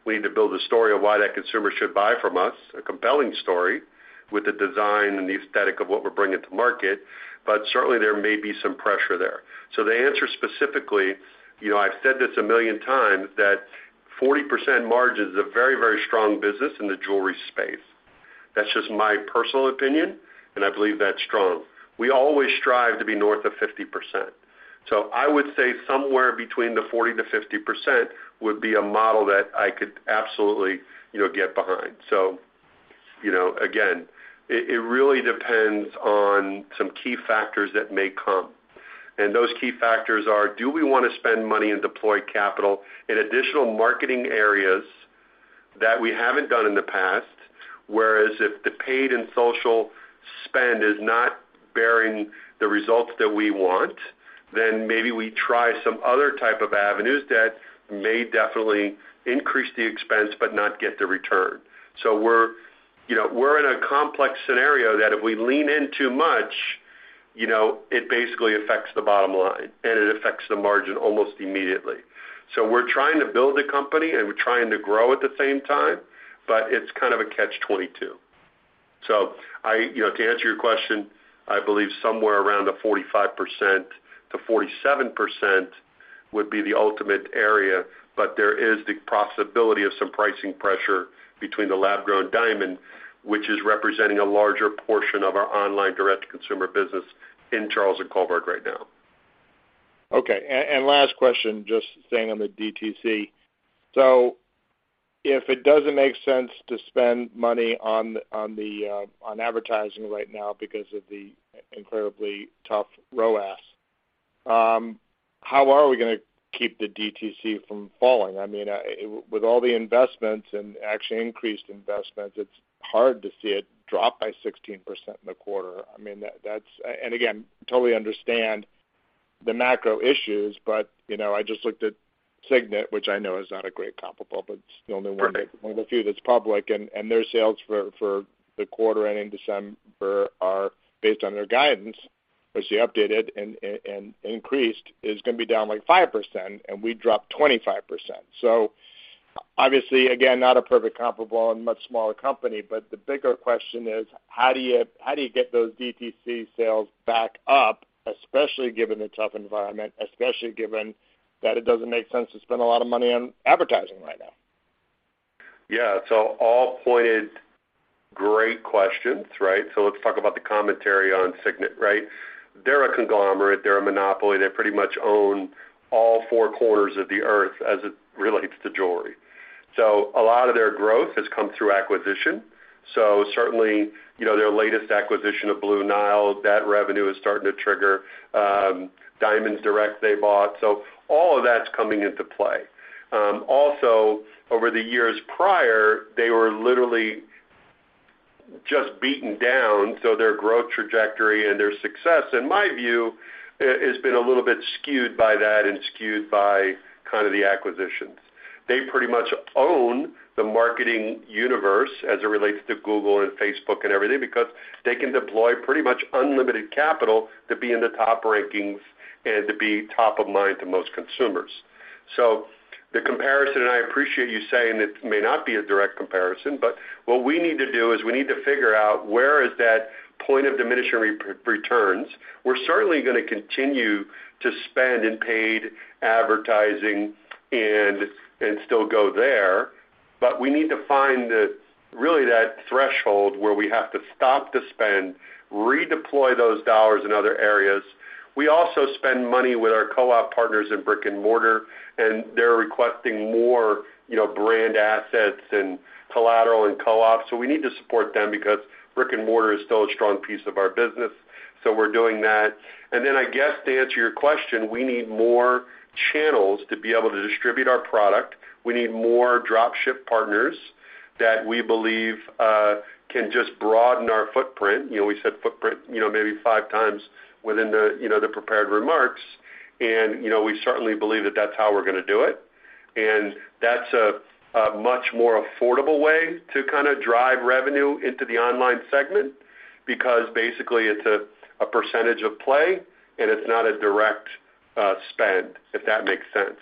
We need to build a story of why that consumer should buy from us, a compelling story with the design and the aesthetic of what we're bringing to market. Certainly, there may be some pressure there. The answer specifically, you know, I've said this a million times, that 40% margin is a very, very strong business in the jewelry space. That's just my personal opinion, and I believe that's strong. We always strive to be north of 50%. I would say somewhere between the 40%-50% would be a model that I could absolutely, you know, get behind. You know, again, it really depends on some key factors that may come. Those key factors are, do we wanna spend money and deploy capital in additional marketing areas that we haven't done in the past? If the paid and social spend is not bearing the results that we want, then maybe we try some other type of avenues that may definitely increase the expense but not get the return. We're, you know, we're in a complex scenario that if we lean in too much. You know, it basically affects the bottom line, and it affects the margin almost immediately. We're trying to build a company, and we're trying to grow at the same time, but it's kind of a catch-22. I, you know, to answer your question, I believe somewhere around the 45%-47% would be the ultimate area, but there is the possibility of some pricing pressure between the lab-grown diamond, which is representing a larger portion of our online direct-to-consumer business in Charles & Colvard right now. Okay. Last question, just staying on the DTC. If it doesn't make sense to spend money on the on advertising right now because of the incredibly tough ROAS, how are we gonna keep the DTC from falling? I mean, with all the investments and actually increased investments, it's hard to see it drop by 16% in the quarter. I mean, that's. Again, totally understand the macro issues, but, you know, I just looked at Signet, which I know is not a great comparable, but it's the only one. Perfect... one of the few that's public. Their sales for the quarter and in December are based on their guidance, which they updated and increased, is gonna be down like 5%, and we dropped 25%. Obviously, again, not a perfect comparable and much smaller company, but the bigger question is, how do you get those DTC sales back up, especially given the tough environment, especially given that it doesn't make sense to spend a lot of money on advertising right now? Yeah. All pointed great questions, right? Let's talk about the commentary on Signet, right? They're a conglomerate. They're a monopoly. They pretty much own all four corners of the earth as it relates to jewelry. A lot of their growth has come through acquisition. Certainly, you know, their latest acquisition of Blue Nile, that revenue is starting to trigger, Diamonds Direct they bought. All of that's coming into play. Also, over the years prior, they were literally just beaten down, so their growth trajectory and their success, in my view, has been a little bit skewed by that and skewed by kind of the acquisitions. They pretty much own the marketing universe as it relates to Google and Facebook and everything because they can deploy pretty much unlimited capital to be in the top rankings and to be top of mind to most consumers. The comparison, and I appreciate you saying it may not be a direct comparison, but what we need to do is we need to figure out where is that point of diminishing re-returns. We're certainly gonna continue to spend in paid advertising and still go there, but we need to find the, really that threshold where we have to stop the spend, redeploy those dollars in other areas. We also spend money with our co-op partners in brick-and-mortar, and they're requesting more, you know, brand assets and collateral and co-ops. We need to support them because brick-and-mortar is still a strong piece of our business, so we're doing that. I guess to answer your question, we need more channels to be able to distribute our product. We need more drop ship partners that we believe can just broaden our footprint. You know, we said footprint, you know, maybe five times within the, you know, the prepared remarks. You know, we certainly believe that that's how we're gonna do it. That's a much more affordable way to kinda drive revenue into the online segment because basically, it's a percentage of play, and it's not a direct spend, if that makes sense.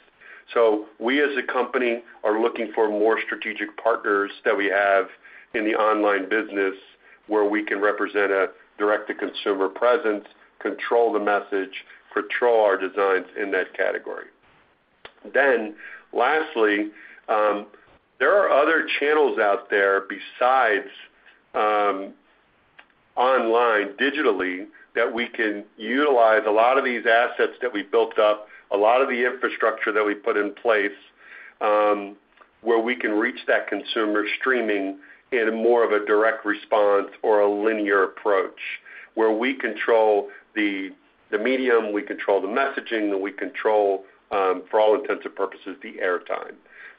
We as a company are looking for more strategic partners that we have in the online business where we can represent a direct-to-consumer presence, control the message, control our designs in that category. Lastly, there are other channels out there besides online digitally that we can utilize a lot of these assets that we built up, a lot of the infrastructure that we put in place, where we can reach that consumer streaming in more of a direct response or a linear approach, where we control the medium, we control the messaging, and we control, for all intents and purposes, the airtime.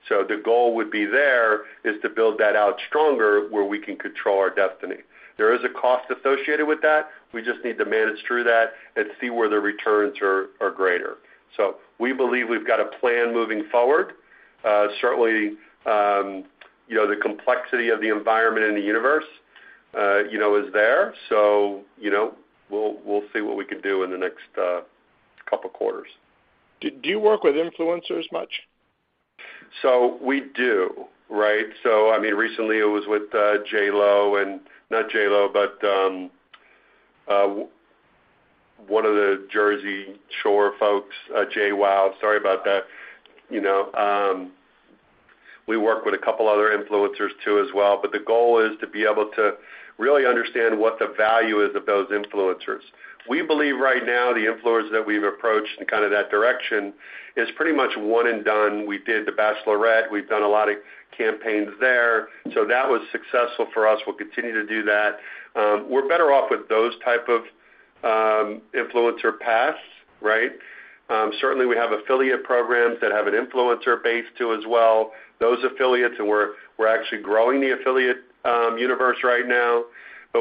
The goal would be there is to build that out stronger where we can control our destiny. There is a cost associated with that. We just need to manage through that and see where the returns are greater. We believe we've got a plan moving forward. Certainly, you know, the complexity of the environment and the universe, you know, is there. You know, we'll see what we can do in the next couple quarters. Do you work with influencers much? We do, right? I mean, recently it was with J.Lo, not J.Lo, but one of the Jersey Shore folks, J-Woww, sorry about that. You know, we work with a couple other influencers too as well. The goal is to be able to really understand what the value is of those influencers. We believe right now the influencers that we've approached in kind of that direction is pretty much one and done. We did The Bachelorette. We've done a lot of campaigns there. That was successful for us. We'll continue to do that. We're better off with those type of influencer paths, right? Certainly we have affiliate programs that have an influencer base too as well. Those affiliates, we're actually growing the affiliate universe right now.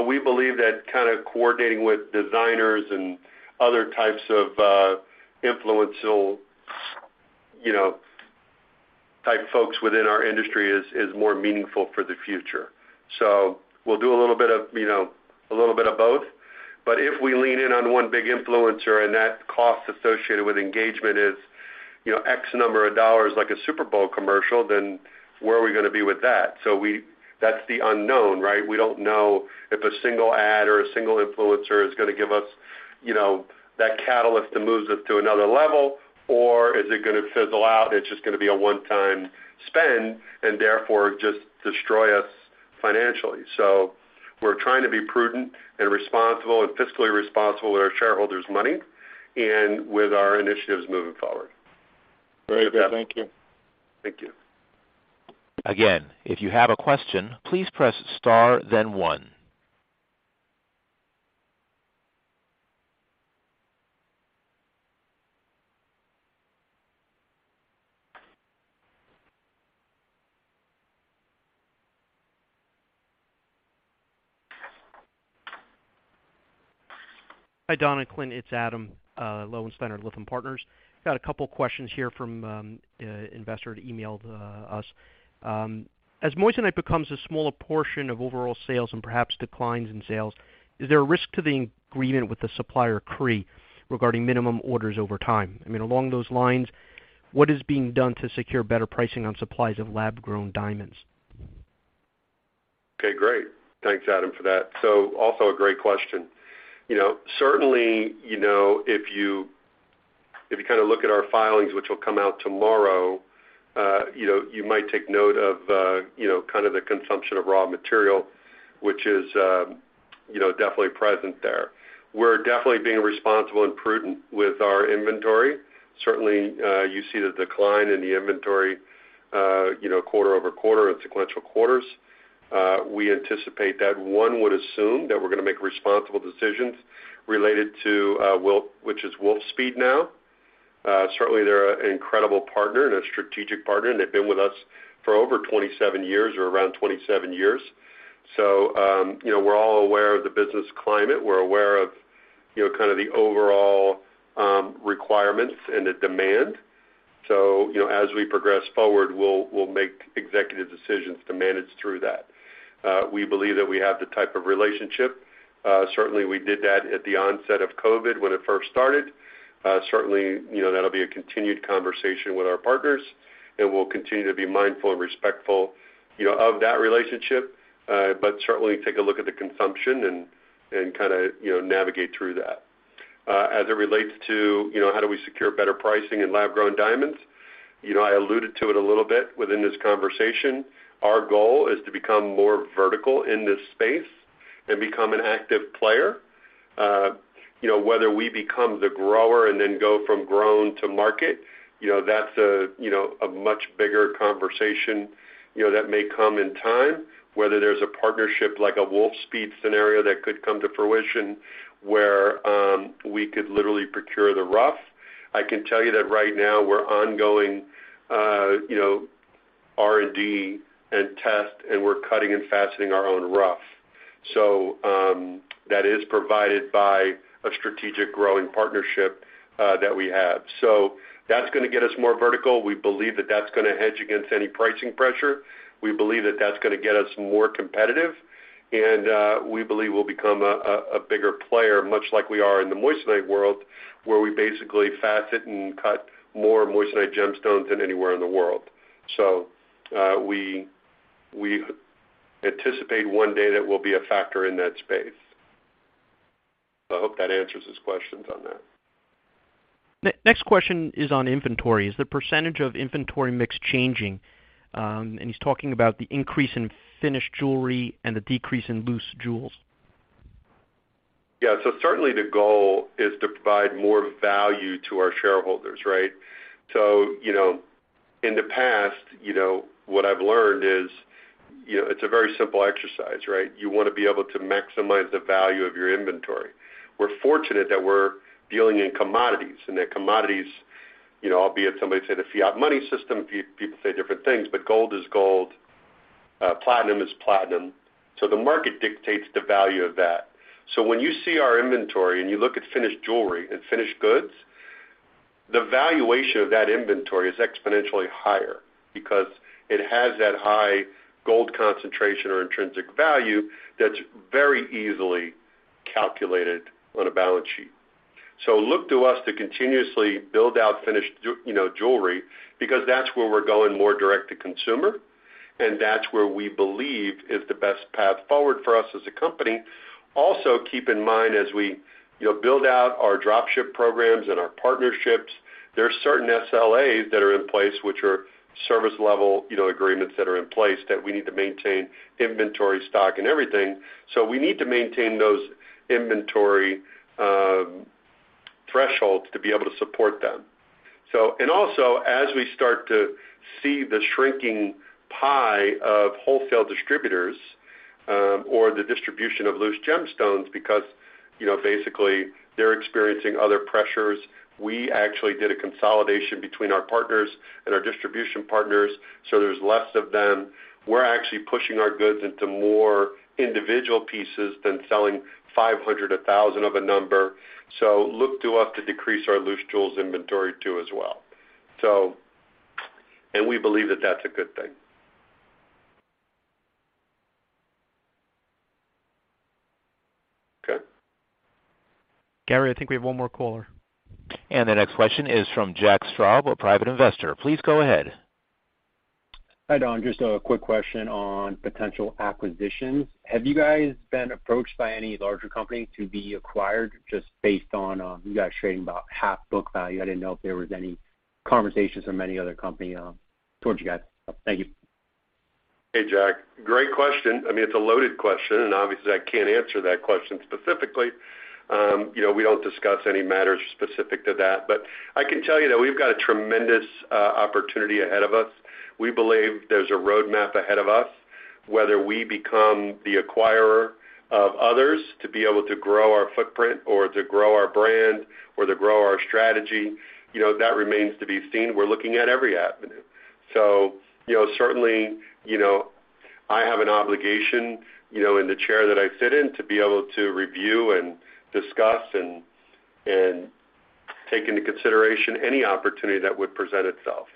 We believe that kinda coordinating with designers and other types of influential, you know-Type folks within our industry is more meaningful for the future. We'll do a little bit of, you know, a little bit of both. If we lean in on one big influencer and that cost associated with engagement is, you know, X number of dollars like a Super Bowl commercial, then where are we gonna be with that? That's the unknown, right? We don't know if a single ad or a single influencer is gonna give us, you know, that catalyst that moves us to another level or is it gonna fizzle out, and it's just gonna be a one-time spend and therefore just destroy us financially. We're trying to be prudent and responsible and fiscally responsible with our shareholders' money and with our initiatives moving forward. Very good. Thank you. Thank you. If you have a question, please press star then one. Hi, Don and Clint. It's Adam Loewenstein at Lytham Partners. Got a couple of questions here from investor that emailed us. As moissanite becomes a smaller portion of overall sales and perhaps declines in sales, is there a risk to the agreement with the supplier Cree regarding minimum orders over time? I mean, along those lines, what is being done to secure better pricing on supplies of lab-grown diamonds? Okay, great. Thanks, Adam, for that. Also a great question. You know, certainly, you know, if you, if you kind of look at our filings, which will come out tomorrow, you know, you might take note of, you know, kind of the consumption of raw material, which is, you know, definitely present there. We're definitely being responsible and prudent with our inventory. Certainly, you see the decline in the inventory, you know, quarter-over-quarter in sequential quarters. We anticipate that one would assume that we're going to make responsible decisions related to Wolfspeed now. Certainly they're an incredible partner and a strategic partner, they've been with us for over 27 years or around 27 years. You know, we're all aware of the business climate. We're aware of, you know, kind of the overall requirements and the demand. You know, as we progress forward, we'll make executive decisions to manage through that. We believe that we have the type of relationship. Certainly we did that at the onset of COVID when it first started. Certainly, you know, that'll be a continued conversation with our partners, and we'll continue to be mindful and respectful, you know, of that relationship, but certainly take a look at the consumption and kinda, you know, navigate through that. As it relates to, you know, how do we secure better pricing in lab-grown diamonds, you know, I alluded to it a little bit within this conversation. Our goal is to become more vertical in this space and become an active player. You know, whether we become the grower and then go from grown to market, you know, that's a, you know, a much bigger conversation, you know, that may come in time, whether there's a partnership like a Wolfspeed scenario that could come to fruition where we could literally procure the rough. I can tell you that right now we're ongoing, you know, R&D and test, and we're cutting and faceting our own rough. That is provided by a strategic growing partnership that we have. That's gonna get us more vertical. We believe that that's gonna hedge against any pricing pressure. We believe that that's gonna get us more competitive, and we believe we'll become a bigger player, much like we are in the moissanite world, where we basically facet and cut more moissanite gemstones than anywhere in the world. We anticipate one day that we'll be a factor in that space. I hope that answers his questions on that. Next question is on inventory. Is the percentage of inventory mix changing? He's talking about the increase in finished jewelry and the decrease in loose jewels. Yeah. Certainly the goal is to provide more value to our shareholders, right? You know, in the past, you know, what I've learned is, you know, it's a very simple exercise, right? You wanna be able to maximize the value of your inventory. We're fortunate that we're dealing in commodities and that commodities, you know, albeit somebody said a fiat money system, people say different things, but gold is gold, platinum is platinum. The market dictates the value of that. When you see our inventory and you look at finished jewelry and finished goods, the valuation of that inventory is exponentially higher because it has that high gold concentration or intrinsic value that's very easily calculated on a balance sheet. Look to us to continuously build out finished you know, jewelry because that's where we're going more direct to consumer, and that's where we believe is the best path forward for us as a company. Also, keep in mind as we, you know, build out our drop ship programs and our partnerships, there are certain SLAs that are in place which are service level, you know, agreements that are in place that we need to maintain inventory, stock, and everything. We need to maintain those inventory thresholds to be able to support them. Also as we start to see the shrinking pie of wholesale distributors, or the distribution of loose gemstones because, you know, basically they're experiencing other pressures, we actually did a consolidation between our partners and our distribution partners, so there's less of them. We're actually pushing our goods into more individual pieces than selling 500, 1,000 of a number. Look to us to decrease our loose jewels inventory too as well. We believe that that's a good thing. Okay. Gary, I think we have one more caller. The next question is from Jack Straub, a private investor. Please go ahead. Hi, Don. Just a quick question on potential acquisitions. Have you guys been approached by any larger company to be acquired just based on you guys trading about half book value? I didn't know if there was any conversations from any other company towards you guys. Thank you. Hey, Jack. Great question. I mean, it's a loaded question, and obviously, I can't answer that question specifically. You know, we don't discuss any matters specific to that. I can tell you that we've got a tremendous opportunity ahead of us. We believe there's a roadmap ahead of us, whether we become the acquirer of others to be able to grow our footprint or to grow our brand or to grow our strategy, you know, that remains to be seen. We're looking at every avenue. You know, certainly, you know, I have an obligation, you know, in the chair that I sit in to be able to review and discuss and take into consideration any opportunity that would present itself.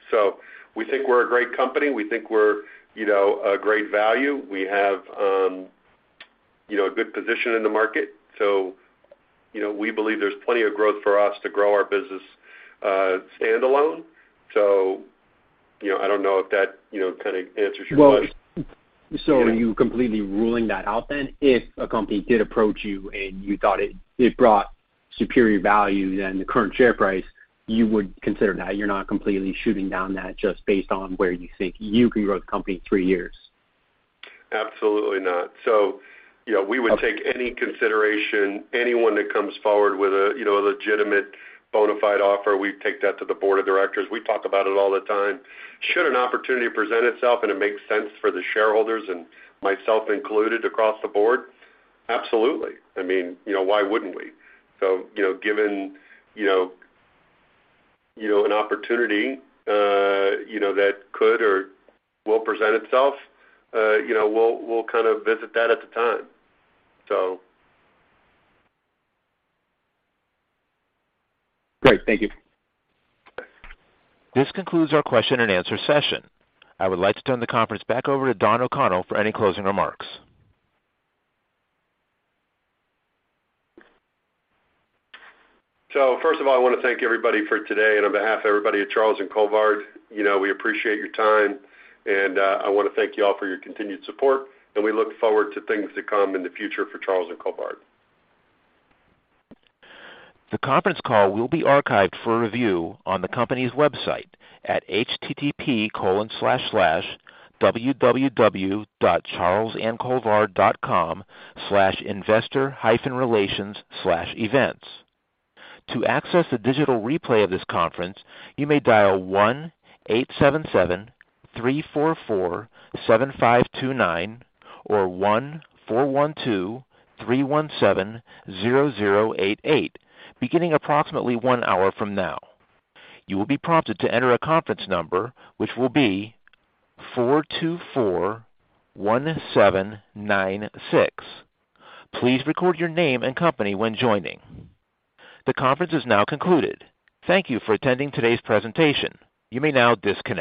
We think we're a great company. We think we're, you know, a great value. We have, you know, a good position in the market. you know, we believe there's plenty of growth for us to grow our business, standalone. you know, I don't know if that, you know, kinda answers your question. Are you completely ruling that out then? If a company did approach you and you thought it brought superior value than the current share price, you would consider that. You're not completely shooting down that just based on where you think you can grow the company in three years. Absolutely not. You know, we would take any consideration. Anyone that comes forward with a, you know, legitimate bona fide offer, we take that to the board of directors. We talk about it all the time. Should an opportunity present itself and it makes sense for the shareholders and myself included across the board, absolutely. I mean, you know, why wouldn't we? You know, given, you know, an opportunity, you know, that could or will present itself, you know, we'll kind of visit that at the time. Great. Thank you. This concludes our question and answer session. I would like to turn the conference back over to Don O'Connell for any closing remarks. First of all, I wanna thank everybody for today and on behalf of everybody at Charles & Colvard, you know, we appreciate your time, and I wanna thank you all for your continued support, and we look forward to things to come in the future for Charles & Colvard. The conference call will be archived for review on the company's website at http://www.charlesandcolvard.com/investor-relations/events. To access the digital replay of this conference, you may dial 1-877-344-7529 or 1-412-317-0088, beginning approximately 1 hour from now. You will be prompted to enter a conference number, which will be 4241796. Please record your name and company when joining. The conference is now concluded. Thank you for attending today's presentation. You may now disconnect.